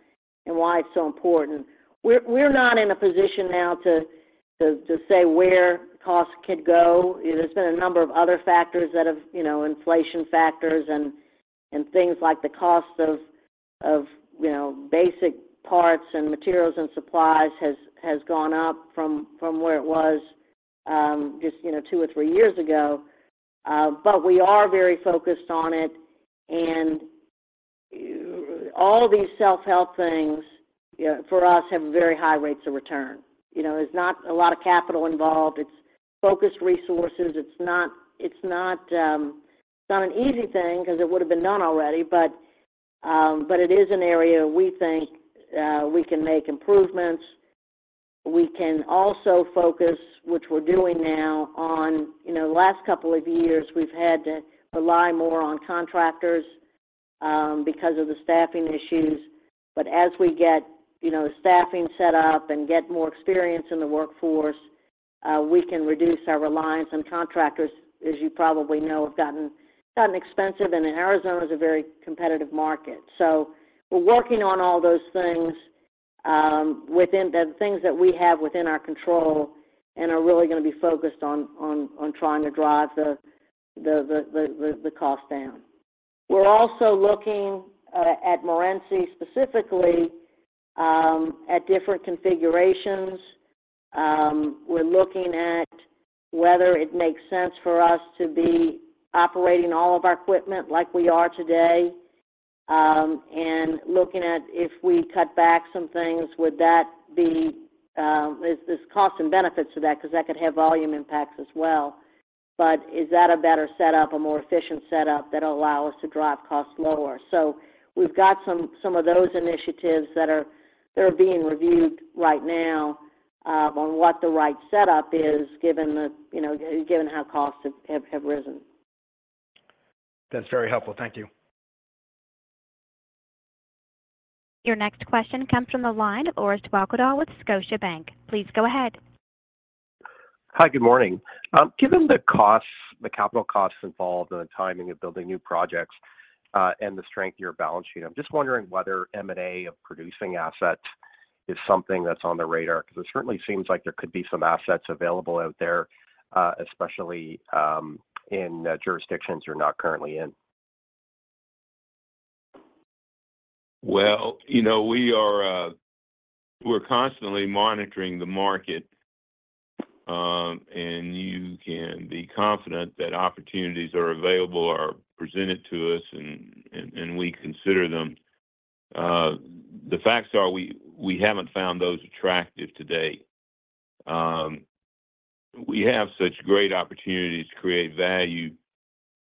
and why it's so important. We're not in a position now to say where costs could go. There's been a number of other factors that have, you know, inflation factors and things like the cost of, you know, basic parts and materials and supplies has gone up from where it was, just, you know, two or three years ago. But we are very focused on it, and all these self-help things for us have very high rates of return. You know, there's not a lot of capital involved. It's focused resources. It's not an easy thing because it would have been done already, but it is an area we think we can make improvements. We can also focus, which we're doing now, on... You know, the last couple of years, we've had to rely more on contractors because of the staffing issues. But as we get, you know, the staffing set up and get more experience in the workforce, we can reduce our reliance on contractors, as you probably know, have gotten expensive, and Arizona is a very competitive market. So we're working on all those things within the things that we have within our control and are really going to be focused on trying to drive the cost down. We're also looking at Morenci, specifically, at different configurations. We're looking at whether it makes sense for us to be operating all of our equipment like we are today, and looking at if we cut back some things, would that be... There's cost and benefits to that because that could have volume impacts as well. But is that a better setup, a more efficient setup that will allow us to drive costs lower? So we've got some of those initiatives that are being reviewed right now, on what the right setup is, given the, you know, given how costs have risen. That's very helpful. Thank you. Your next question comes from the line of Orest Wowkodaw with Scotiabank. Please go ahead. Hi, good morning. Given the costs, the capital costs involved and the timing of building new projects, and the strength of your balance sheet, I'm just wondering whether M&A of producing assets is something that's on the radar, because it certainly seems like there could be some assets available out there, especially in jurisdictions you're not currently in. Well, you know, we are, we're constantly monitoring the market, and you can be confident that opportunities are available or presented to us, and we consider them. The facts are, we haven't found those attractive to date. We have such great opportunities to create value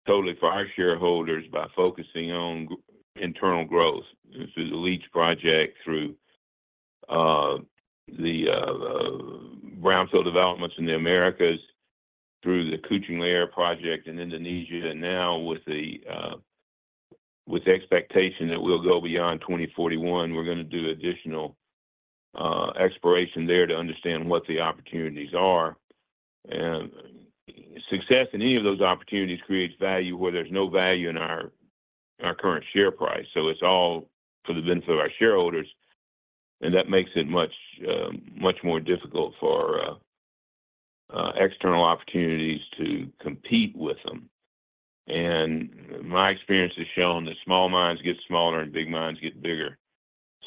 totally for our shareholders by focusing on internal growth. Through the leach project, through the brownfield developments in the Americas, through the Kucing Liar project in Indonesia, and now with the expectation that we'll go beyond 2041, we're going to do additional exploration there to understand what the opportunities are. And success in any of those opportunities creates value where there's no value in our current share price. So it's all for the benefit of our shareholders, and that makes it much, much more difficult for external opportunities to compete with them. And my experience has shown that small mines get smaller and big mines get bigger.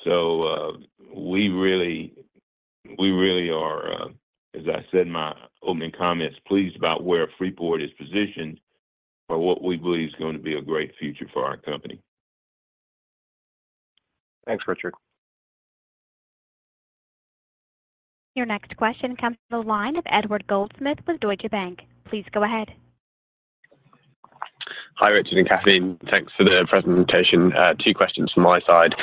So, we really, we really are, as I said in my opening comments, pleased about where Freeport is positioned for what we believe is going to be a great future for our company. Thanks, Richard. Your next question comes from the line of Edward Goldsmith with Deutsche Bank. Please go ahead. Hi, Richard and Kathleen. Thanks for the presentation. Two questions from my side.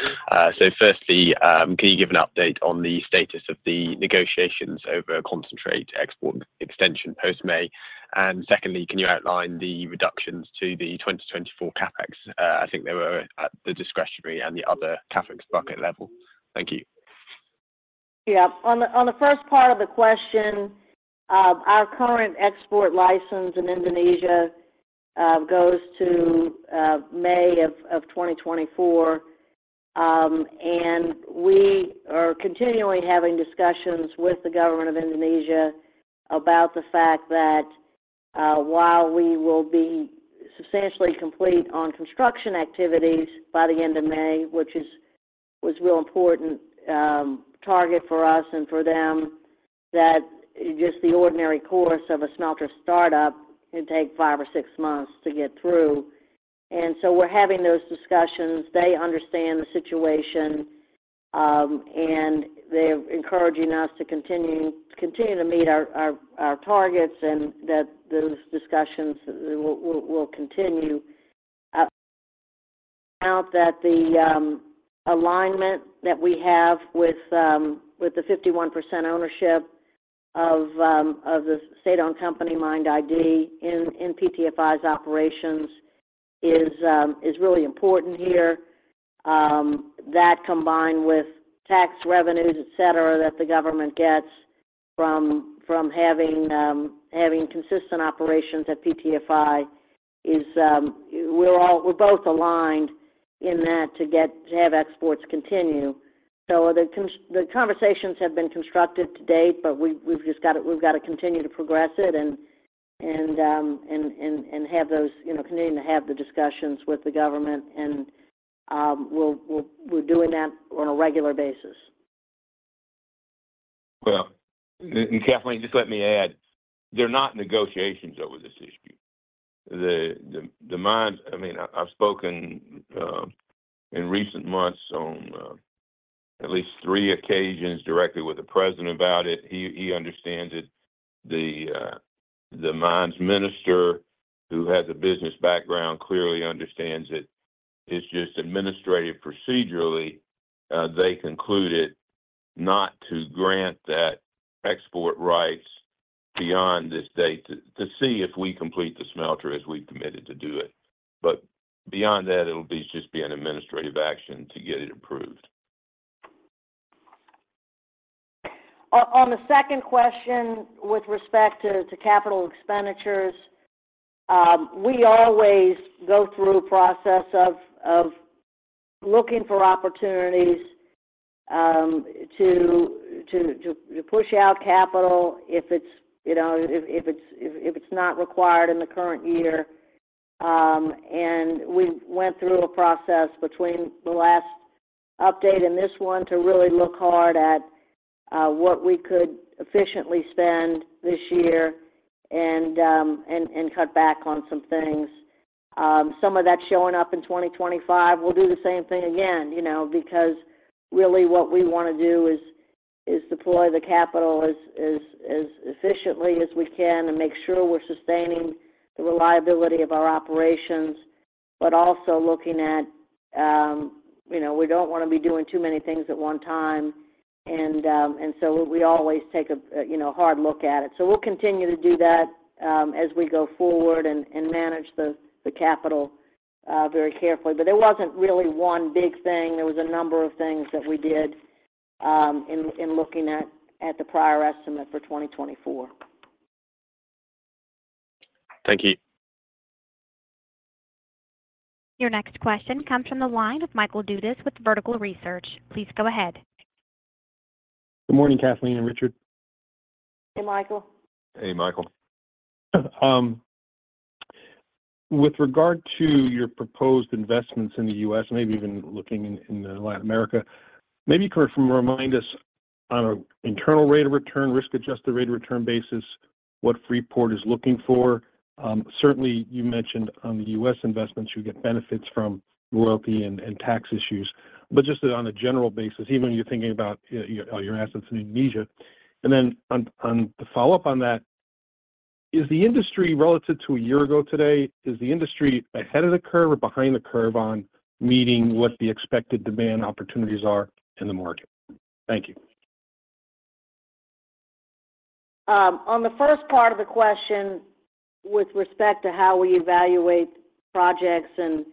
So firstly, can you give an update on the status of the negotiations over concentrate export extension post-May? And secondly, can you outline the reductions to the 2024 CapEx? I think they were at the discretionary and the other CapEx bucket level. Thank you. Yeah. On the first part of the question, our current export license in Indonesia goes to May of 2024. And we are continually having discussions with the Government of Indonesia about the fact that, while we will be substantially complete on construction activities by the end of May, which is, was real important target for us and for them, that just the ordinary course of a smelter startup can take five or six months to get through. And so we're having those discussions. They understand the situation, and they're encouraging us to continue to meet our targets and that those discussions will continue. We point out that the alignment that we have with the 51% ownership of the state-owned company, MIND ID, in PTFI's operations is really important here. That combined with tax revenues, et cetera, that the government gets from having consistent operations at PTFI, we're both aligned in that to have exports continue. So the conversations have been constructive to date, but we've just gotta continue to progress it, and have those, you know, continuing to have the discussions with the government, and we're doing that on a regular basis. Well, and Kathleen, just let me add, they're not negotiations over this issue. The mines... I mean, I've spoken in recent months on at least three occasions directly with the president about it. He understands it. The Mines Minister, who has a business background, clearly understands it. It's just administrative procedurally, they concluded not to grant that export rights beyond this date, to see if we complete the smelter as we've committed to do it. But beyond that, it'll just be an administrative action to get it approved. On the second question, with respect to capital expenditures, we always go through a process of looking for opportunities to push out capital if it's, you know, not required in the current year. We went through a process between the last update and this one to really look hard at what we could efficiently spend this year and cut back on some things. Some of that's showing up in 2025. We'll do the same thing again, you know, because really what we want to do is deploy the capital as efficiently as we can and make sure we're sustaining the reliability of our operations, but also looking at, you know, we don't want to be doing too many things at one time, and so we always take a, you know, hard look at it. So we'll continue to do that, as we go forward and manage the capital very carefully. But there wasn't really one big thing. There was a number of things that we did, in looking at the prior estimate for 2024. Thank you. Your next question comes from the line of Michael Dudas with Vertical Research. Please go ahead. Good morning, Kathleen and Richard. Hey, Michael. Hey, Michael. With regard to your proposed investments in the U.S., maybe even looking in Latin America, maybe you could remind us on an internal rate of return, risk-adjusted rate of return basis, what Freeport is looking for. Certainly, you mentioned on the U.S. investments, you get benefits from royalty and tax issues, but just on a general basis, even when you're thinking about your assets in Indonesia. And then on the follow-up on that, is the industry relative to a year ago today, is the industry ahead of the curve or behind the curve on meeting what the expected demand opportunities are in the market? Thank you. On the first part of the question, with respect to how we evaluate projects and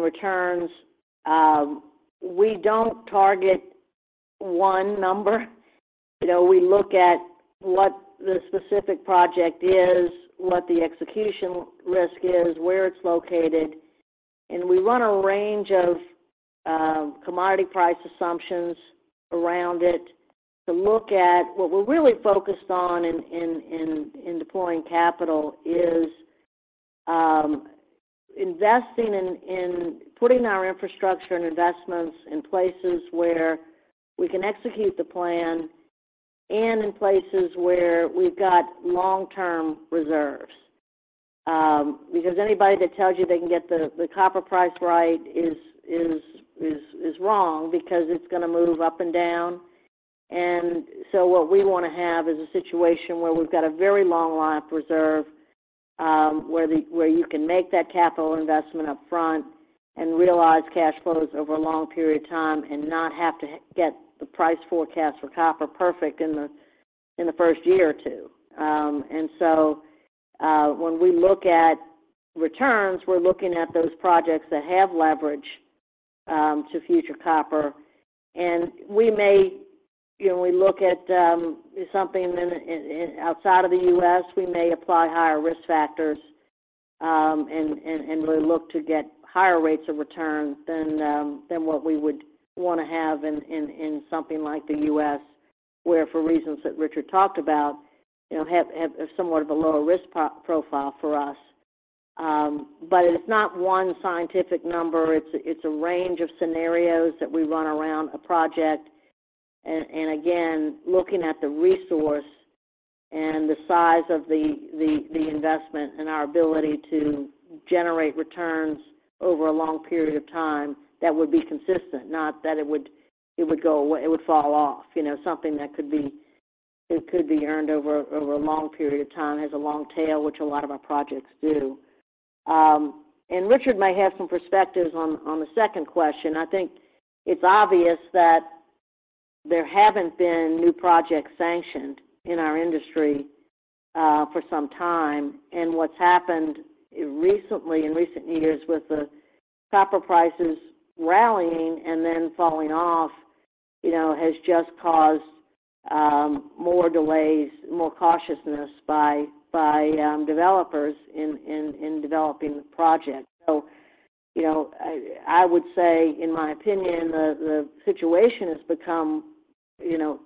returns, we don't target one number. You know, we look at what the specific project is, what the execution risk is, where it's located, and we run a range of commodity price assumptions around it to look at... What we're really focused on in deploying capital is investing in putting our infrastructure and investments in places where we can execute the plan and in places where we've got long-term reserves. Because anybody that tells you they can get the copper price right is wrong because it's gonna move up and down. So what we wanna have is a situation where we've got a very long life reserve, where you can make that capital investment upfront and realize cash flows over a long period of time and not have to get the price forecast for copper perfect in the first year or two. So when we look at returns, we're looking at those projects that have leverage to future copper. And we may, you know, look at something outside of the U.S., we may apply higher risk factors, and we look to get higher rates of return than what we would wanna have in something like the U.S., where for reasons that Richard talked about, you know, have somewhat of a lower risk profile for us. But it's not one scientific number. It's a range of scenarios that we run around a project, and again, looking at the resource and the size of the investment and our ability to generate returns over a long period of time, that would be consistent, not that it would go away, it would fall off, you know, something that could be - it could be earned over a long period of time, has a long tail, which a lot of our projects do. And Richard may have some perspectives on the second question. I think it's obvious that there haven't been new projects sanctioned in our industry for some time, and what's happened recently, in recent years with the copper prices rallying and then falling off, you know, has just caused more delays, more cautiousness by developers in developing the project. So, you know, I would say, in my opinion, the situation has become, you know,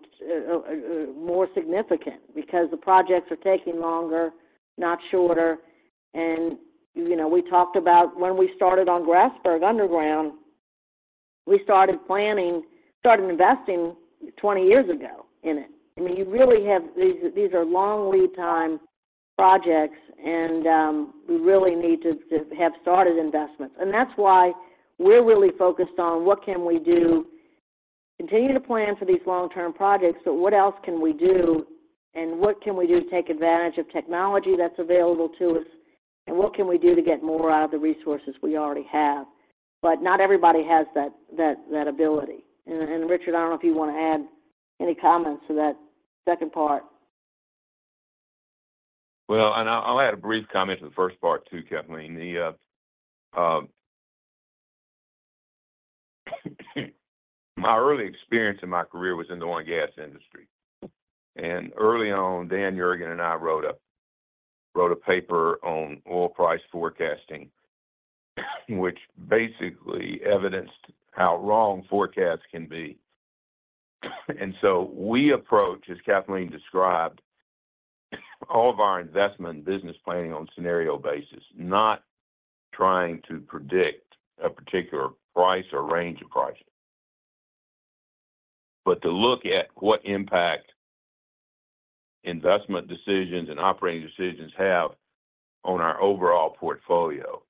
more significant because the projects are taking longer, not shorter, and, you know, we talked about when we started on Grasberg underground, we started planning—started investing 20 years ago in it. I mean, you really have... These are long lead time projects, and we really need to have started investments. That's why we're really focused on what can we do, continue to plan for these long-term projects, but what else can we do, and what can we do to take advantage of technology that's available to us, and what can we do to get more out of the resources we already have? But not everybody has that ability. And Richard, I don't know if you wanna add any comments to that second part. Well, and I, I'll add a brief comment to the first part, too, Kathleen. The, my early experience in my career was in the oil and gas industry, and early on, Dan Yergin and I wrote a paper on oil price forecasting, which basically evidenced how wrong forecasts can be. And so we approach, as Kathleen described, all of our investment and business planning on a scenario basis, not trying to predict a particular price or range of prices, but to look at what impact investment decisions and operating decisions have on our overall portfolio.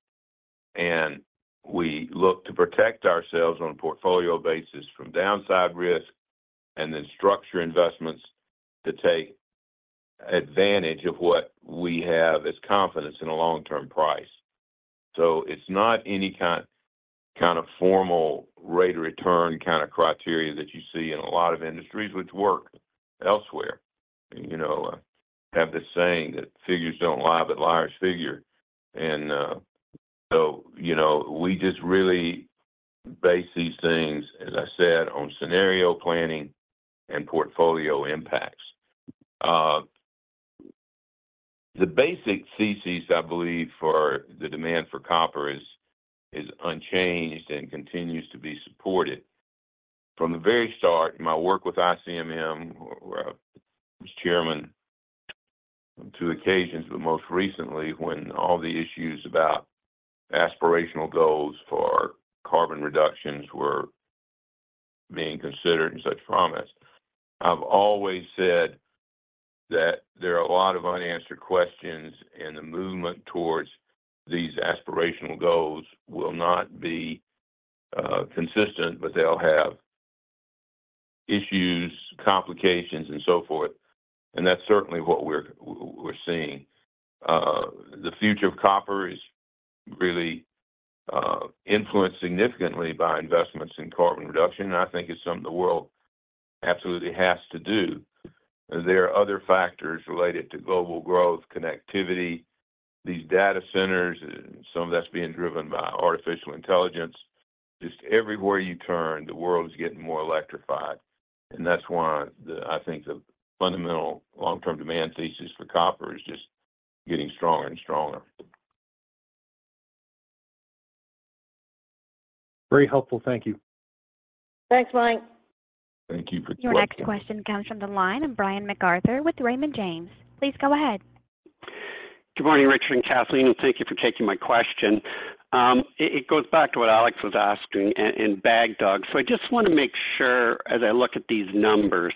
And we look to protect ourselves on a portfolio basis from downside risk and then structure investments to take advantage of what we have as confidence in a long-term price. So it's not any kind of formal rate of return kind of criteria that you see in a lot of industries, which work elsewhere. You know, I have this saying that figures don't lie, but liars figure. So, you know, we just really base these things, as I said, on scenario planning and portfolio impacts. The basic thesis, I believe, for the demand for copper is unchanged and continues to be supported. From the very start, my work with ICMM, where I was chairman on two occasions, but most recently, when all the issues about aspirational goals for carbon reductions were being considered and such promise, I've always said that there are a lot of unanswered questions, and the movement towards these aspirational goals will not be consistent, but they'll have issues, complications, and so forth. That's certainly what we're seeing. The future of copper is really influenced significantly by investments in carbon reduction, and I think it's something the world absolutely has to do. There are other factors related to global growth, connectivity, these data centers, and some of that's being driven by artificial intelligence. Just everywhere you turn, the world is getting more electrified, and that's why I think the fundamental long-term demand thesis for copper is just getting stronger and stronger. Very helpful. Thank you. Thanks, Mike. Thank you for the question. Your next question comes from the line of Brian MacArthur with Raymond James. Please go ahead. Good morning, Richard and Kathleen, and thank you for taking my question. It goes back to what Alex was asking and Bagdad. So I just wanna make sure, as I look at these numbers,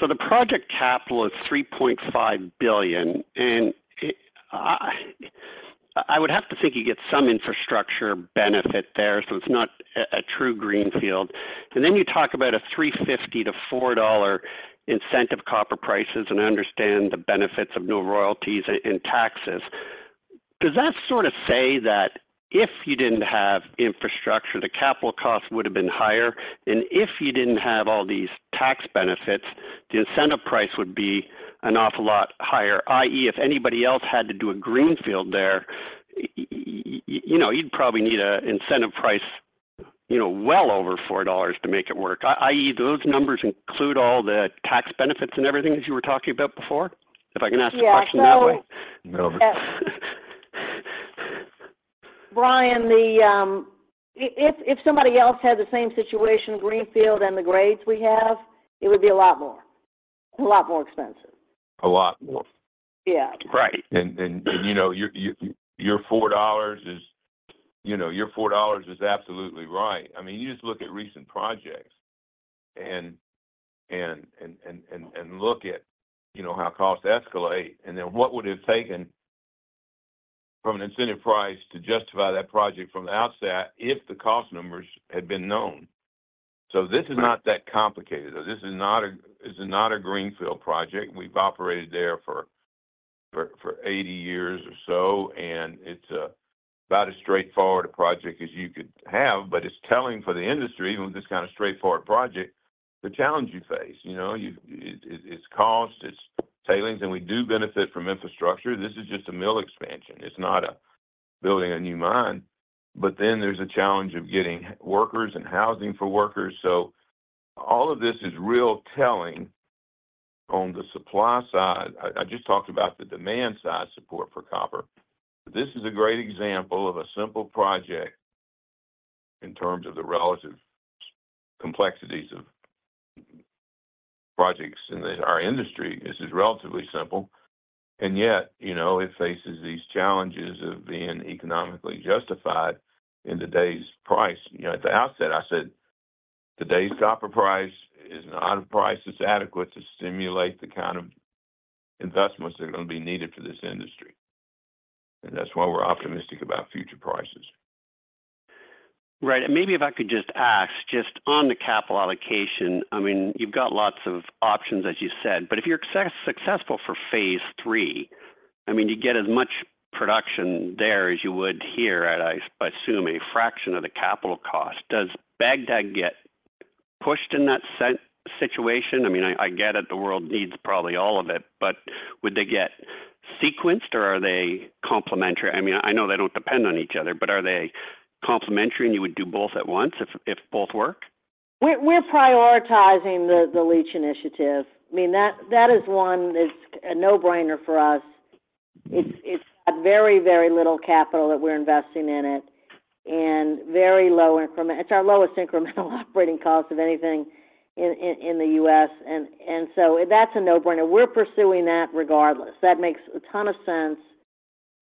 so the project capital is $3.5 billion, and I would have to think you get some infrastructure benefit there, so it's not a true greenfield. So then you talk about a $3.50-$4 incentive copper prices, and I understand the benefits of no royalties and taxes. Does that sort of say that if you didn't have infrastructure, the capital cost would have been higher, and if you didn't have all these tax benefits, the incentive price would be an awful lot higher? I.e., if anybody else had to do a greenfield there, you know, you'd probably need a incentive price, you know, well over $4 to make it work. i.e., those numbers include all the tax benefits and everything that you were talking about before? If I can ask the question that way. Yeah. So- No. Brian, if somebody else had the same situation, greenfield and the grades we have, it would be a lot more. A lot more expensive. A lot more. Yeah. Right. You know, your $4 is absolutely right. I mean, you just look at recent projects and look at, you know, how costs escalate, and then what would it have taken from an incentive price to justify that project from the outset if the cost numbers had been known. So this is not that complicated. This is not a greenfield project. We've operated there for 80 years or so, and it's about as straightforward a project as you could have. But it's telling for the industry, even with this kind of straightforward project, the challenge you face. You know, it's cost, it's tailings, and we do benefit from infrastructure. This is just a mill expansion. It's not a building a new mine. But then there's a challenge of getting workers and housing for workers. So all of this is real telling on the supply side. I just talked about the demand side support for copper. This is a great example of a simple project in terms of the relative complexities of projects in our industry. This is relatively simple, and yet, you know, it faces these challenges of being economically justified in today's price. You know, at the outset, I said, "Today's copper price is not a price that's adequate to stimulate the kind of investments that are going to be needed for this industry." And that's why we're optimistic about future prices. Right. And maybe if I could just ask, just on the capital allocation, I mean, you've got lots of options, as you said, but if you're successful for phase three, I mean, you get as much production there as you would here at, I assume, a fraction of the capital cost. Does Bagdad get pushed in that situation? I mean, I get it, the world needs probably all of it, but would they get sequenced, or are they complementary? I mean, I know they don't depend on each other, but are they complementary, and you would do both at once if both work? We're prioritizing the leach initiative. I mean, that is one that's a no-brainer for us. It's got very, very little capital that we're investing in it and very low increment. It's our lowest incremental operating cost of anything in the U.S., and so that's a no-brainer. We're pursuing that regardless. That makes a ton of sense,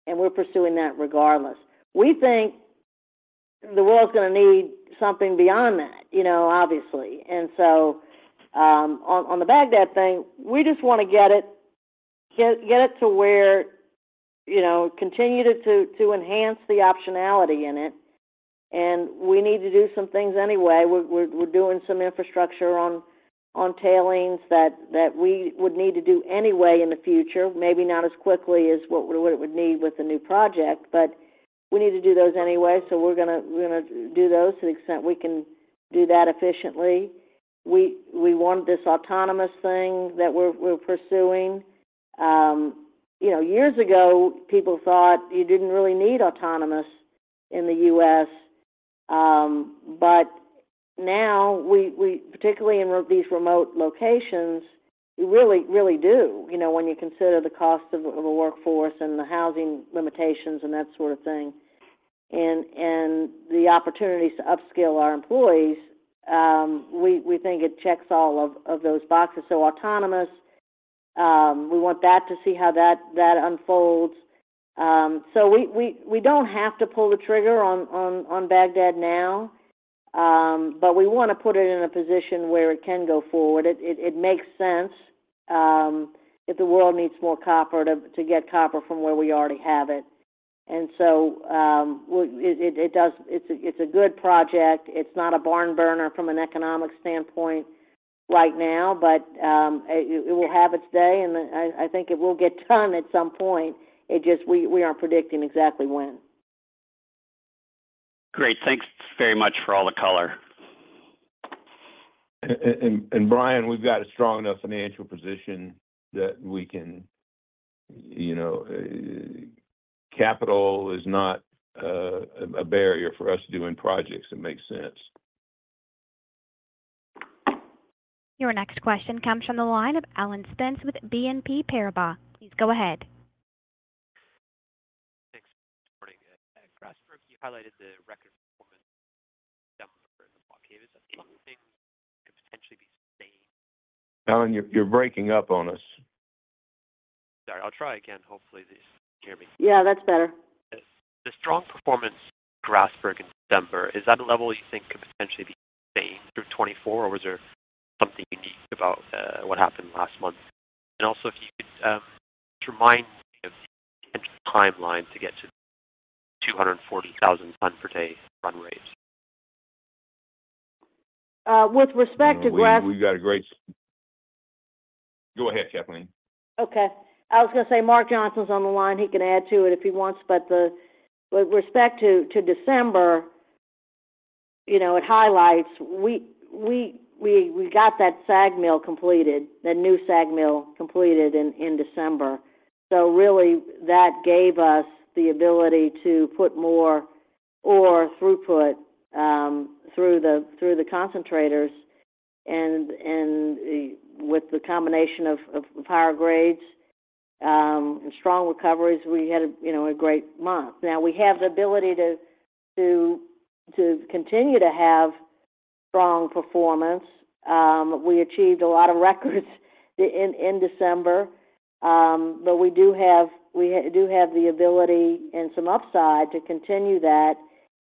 and we're pursuing that regardless. We think the world's gonna need something beyond that, you know, obviously. And so, on the Bagdad thing, we just want to get it to where, you know, continue to enhance the optionality in it, and we need to do some things anyway. We're doing some infrastructure on tailings that we would need to do anyway in the future. Maybe not as quickly as what we would need with the new project, but we need to do those anyway, so we're gonna, we're gonna do those to the extent we can do that efficiently. We, we want this autonomous thing that we're, we're pursuing. You know, years ago, people thought you didn't really need autonomous in the U.S. But now we, we, particularly in remote locations, you really, really do, you know, when you consider the cost of the workforce and the housing limitations and that sort of thing. And, and the opportunities to upskill our employees, we, we think it checks all of, of those boxes. So autonomous, we want that to see how that, that unfolds. So we don't have to pull the trigger on Bagdad now, but we want to put it in a position where it can go forward. It makes sense if the world needs more copper to get copper from where we already have it. And so it does; it's a good project. It's not a barn burner from an economic standpoint right now, but it will have its day, and I think it will get done at some point. It's just we aren't predicting exactly when. Great. Thanks very much for all the color. Brian, we've got a strong enough financial position that we can, you know... capital is not a barrier for us doing projects that make sense. Your next question comes from the line of Alan Spence with BNP Paribas. Please go ahead. Thanks. Morning. Grasberg, you highlighted the record performance in December. Is there anything that could potentially be staying- Alan, you're breaking up on us. Sorry. I'll try again. Hopefully, you can hear me. Yeah, that's better. The strong performance at Grasberg in December, is that a level you think could potentially be sustained through 2024, or was there something unique about what happened last month? And also, if you could just remind me of the timeline to get to 240,000 tons per day run rate. With respect to Gras- We've got a great... Go ahead, Kathleen. Okay. I was gonna say, Mark Johnson’s on the line. He can add to it if he wants, but with respect to December, you know, it highlights we got that SAG mill completed, that new SAG mill completed in December. So really, that gave us the ability to put more ore throughput through the concentrators. And with the combination of higher grades and strong recoveries, we had, you know, a great month. Now, we have the ability to continue to have strong performance. We achieved a lot of records in December, but we do have the ability and some upside to continue that.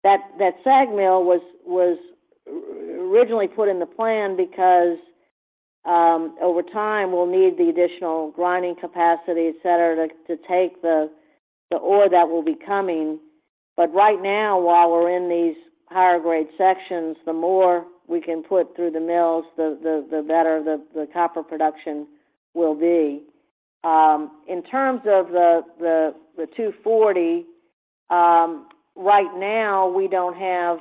That SAG mill was... originally put in the plan, because over time, we'll need the additional grinding capacity, et cetera, to take the ore that will be coming. But right now, while we're in these higher grade sections, the more we can put through the mills, the better the copper production will be. In terms of the 240, right now, we don't have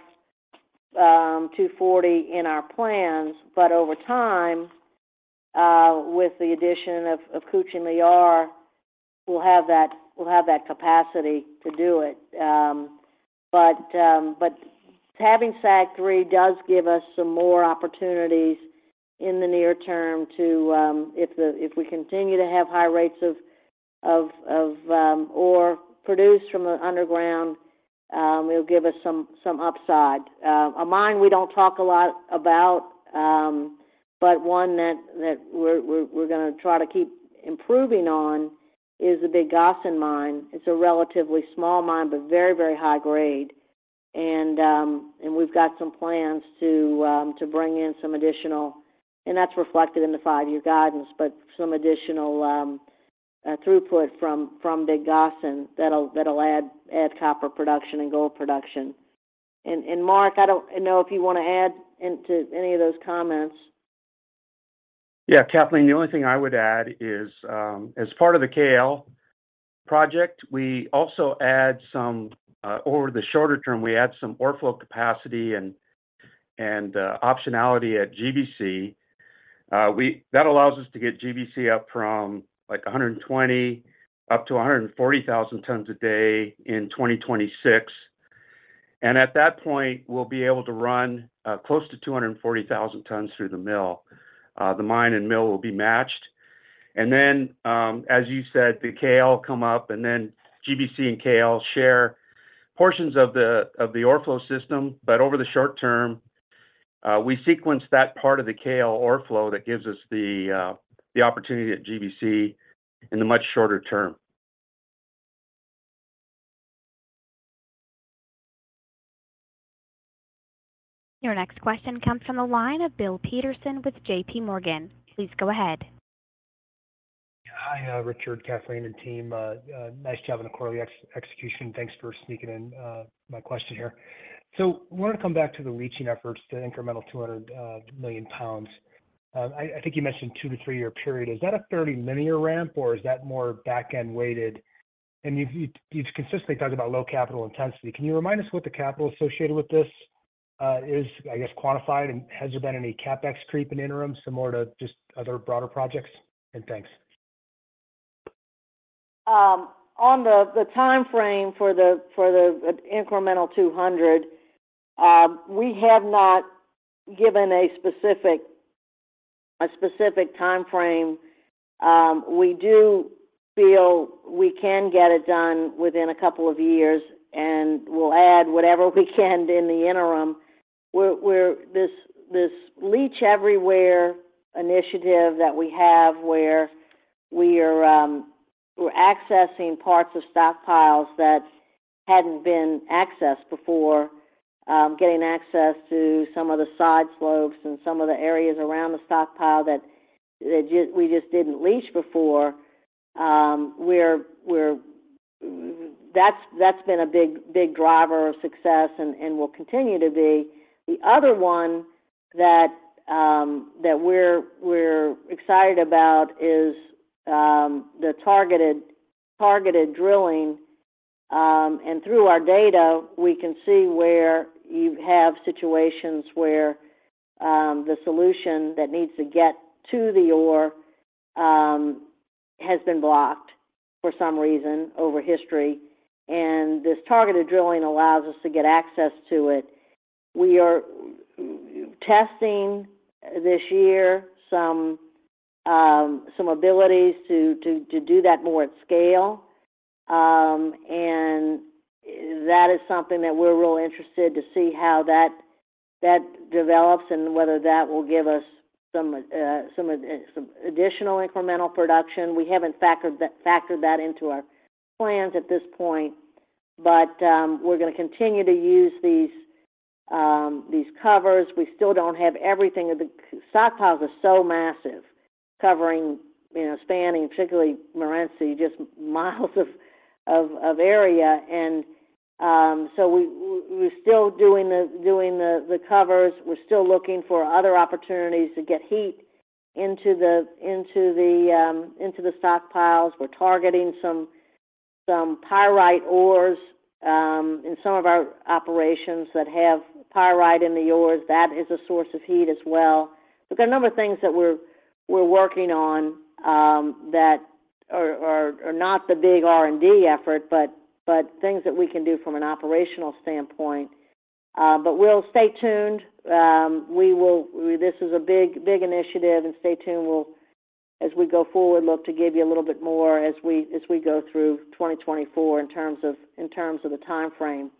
240 in our plans, but over time, with the addition of Kucing Liar, we'll have that, we'll have that capacity to do it. But having SAG 3 does give us some more opportunities in the near term to, if we continue to have high rates of ore produced from the underground, it'll give us some upside. A mine we don't talk a lot about, but one that we're gonna try to keep improving on is the Big Gossan mine. It's a relatively small mine, but very, very high grade, and we've got some plans to bring in some additional. And that's reflected in the five-year guidance, but some additional throughput from Big Gossan that'll add copper production and gold production. Mark, I don't know if you wanna add into any of those comments. Yeah, Kathleen, the only thing I would add is, as part of the KL project, we also add some, over the shorter term, we add some ore flow capacity and optionality at GBC. That allows us to get GBC up from, like, 120 up to 140 thousand tons a day in 2026, and at that point, we'll be able to run close to 240 thousand tons through the mill. The mine and mill will be matched, and then, as you said, the KL come up, and then GBC and KL share portions of the ore flow system. But over the short term, we sequence that part of the KL ore flow that gives us the opportunity at GBC in the much shorter term. Your next question comes from the line of Bill Peterson with J.P. Morgan. Please go ahead. Hi, Richard, Kathleen, and team. Nice job on the quarterly execution. Thanks for sneaking in my question here. So I wanted to come back to the leaching efforts, the incremental 200 million pounds. I think you mentioned 2- to 3-year period. Is that a fairly linear ramp, or is that more back-end weighted? And you've consistently talked about low capital intensity. Can you remind us what the capital associated with this is, I guess, quantified, and has there been any CapEx creep in interim, similar to just other broader projects? And thanks. On the timeframe for the incremental 200, we have not given a specific timeframe. We do feel we can get it done within a couple of years, and we'll add whatever we can in the interim. We're... This Leach Everywhere initiative that we have, where we're accessing parts of stockpiles that hadn't been accessed before, getting access to some of the side slopes and some of the areas around the stockpile that we just didn't leach before. We're-- That's been a big driver of success and will continue to be. The other one that we're excited about is the targeted drilling. Through our data, we can see where you have situations where the solution that needs to get to the ore has been blocked for some reason over history, and this targeted drilling allows us to get access to it. We are testing this year some abilities to do that more at scale, and that is something that we're real interested to see how that develops and whether that will give us some additional incremental production. We haven't factored that into our plans at this point, but we're gonna continue to use these covers. We still don't have everything. The stockpiles are so massive, covering, you know, spanning, particularly Morenci, just miles of area, and so we, we're still doing the covers. We're still looking for other opportunities to get heat into the, into the, into the stockpiles. We're targeting some, some pyrite ores, in some of our operations that have pyrite in the ores. That is a source of heat as well. There are a number of things that we're, we're working on, that are, are, are not the big R&D effort, but, but things that we can do from an operational standpoint. but we'll stay tuned. we will. This is a big, big initiative, and stay tuned. We'll, as we go forward, look to give you a little bit more as we, as we go through 2024 in terms of, in terms of the timeframe.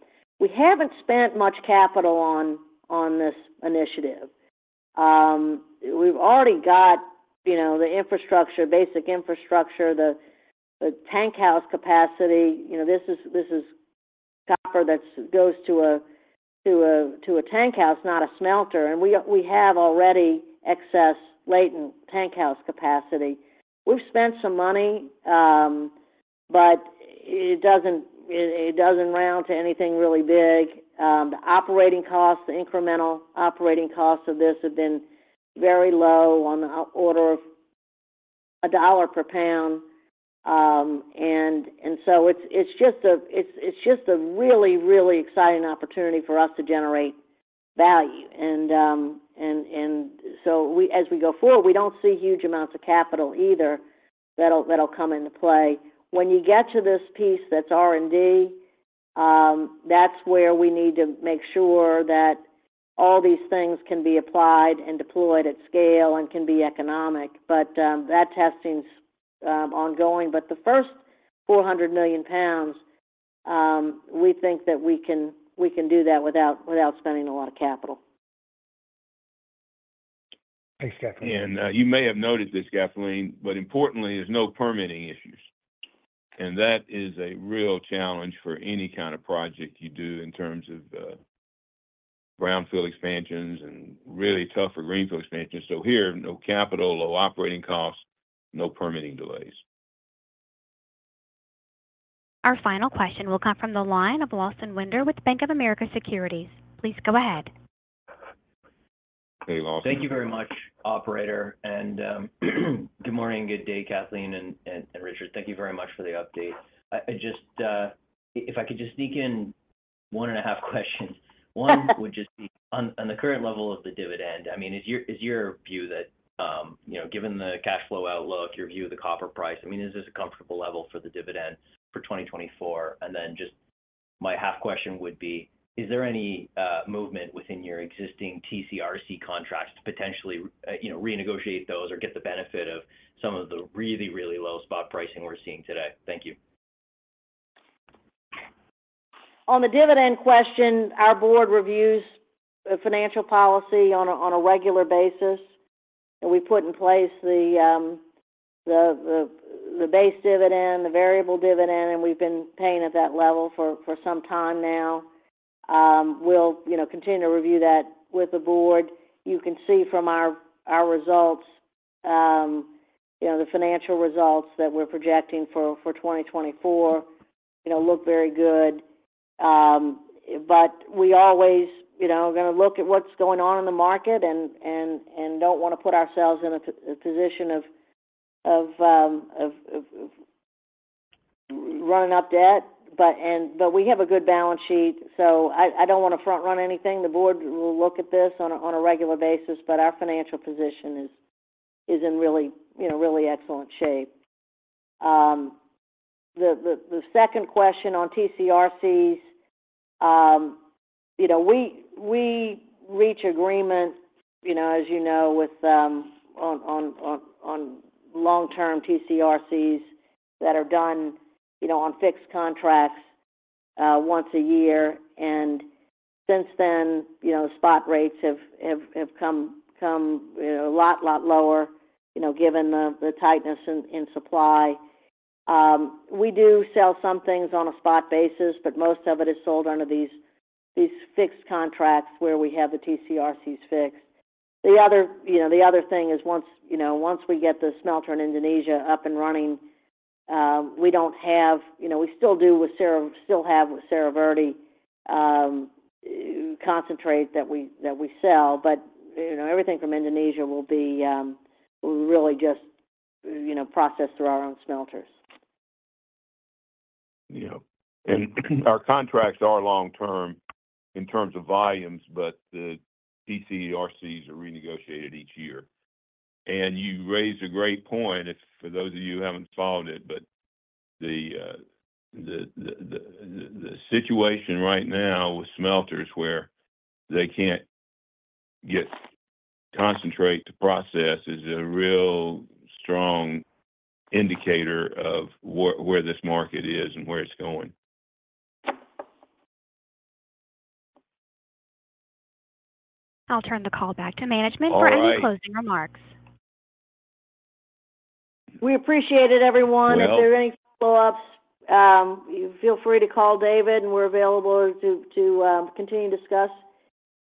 We haven't spent much capital on, on this initiative. we've already got, you know, the infrastructure, basic infrastructure, the, the tank house capacity. You know, this is copper that goes to a tank house, not a smelter. We have already excess latent tank house capacity. We've spent some money, but it doesn't round to anything really big. The operating costs, the incremental operating costs of this have been very low on the order of $1 per pound. And so it's just a really exciting opportunity for us to generate value. And so we, as we go forward, we don't see huge amounts of capital either that'll come into play. When you get to this piece that's R&D, that's where we need to make sure that all these things can be applied and deployed at scale and can be economic. But that testing's ongoing. But the first 400 million pounds, we think that we can do that without spending a lot of capital. Thanks, Kathleen. And, you may have noticed this, Kathleen, but importantly, there's no permitting issues, and that is a real challenge for any kind of project you do in terms of, brownfield expansions and really tough for greenfield expansions. So here, no capital, low operating costs, no permitting delays. Our final question will come from the line of Lawson Winder with Bank of America Securities. Please go ahead. Hey, Lawson. Thank you very much, operator. And, good morning, good day, Kathleen and Richard. Thank you very much for the update. I just, if I could just sneak in one and a half questions. One would just be on the current level of the dividend. I mean, is your, is your view that, you know, given the cash flow outlook, your view of the copper price. I mean, is this a comfortable level for the dividend for 2024? And then just my half question would be, is there any movement within your existing TCRC contracts to potentially, you know, renegotiate those or get the benefit of some of the really, really low spot pricing we're seeing today? Thank you. On the dividend question, our board reviews the financial policy on a regular basis, and we put in place the base dividend, the variable dividend, and we've been paying at that level for some time now. We'll, you know, continue to review that with the board. You can see from our results, you know, the financial results that we're projecting for 2024, you know, look very good. But we always, you know, gonna look at what's going on in the market and don't wanna put ourselves in a position of running up debt. But we have a good balance sheet, so I don't wanna front run anything. The board will look at this on a regular basis, but our financial position is in really, you know, really excellent shape. The second question on TCRCs, you know, we reach agreements, you know, as you know, with on long-term TCRCs that are done, you know, on fixed contracts once a year. And since then, you know, spot rates have come, you know, a lot lower, you know, given the tightness in supply. We do sell some things on a spot basis, but most of it is sold under these fixed contracts where we have the TCRCs fixed. The other, you know, the other thing is once, you know, once we get the smelter in Indonesia up and running, we don't have... You know, we still do with Cerro Verde, still have with Cerro Verde concentrate that we, that we sell, but, you know, everything from Indonesia will be really just, you know, processed through our own smelters. Yeah. And our contracts are long term in terms of volumes, but the TCRCs are renegotiated each year. And you raised a great point, if for those of you who haven't followed it, but the situation right now with smelters where they can't get concentrate to process is a real strong indicator of where this market is and where it's going. I'll turn the call back to management- All right... for any closing remarks. We appreciate it, everyone. Well- If there are any follow-ups, you feel free to call David, and we're available to continue to discuss.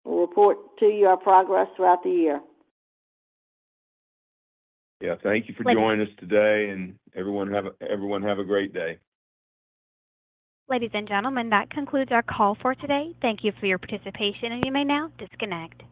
We'll report to you our progress throughout the year. Yeah, thank you for joining us today, and everyone have a great day. Ladies and gentlemen, that concludes our call for today. Thank you for your participation, and you may now disconnect.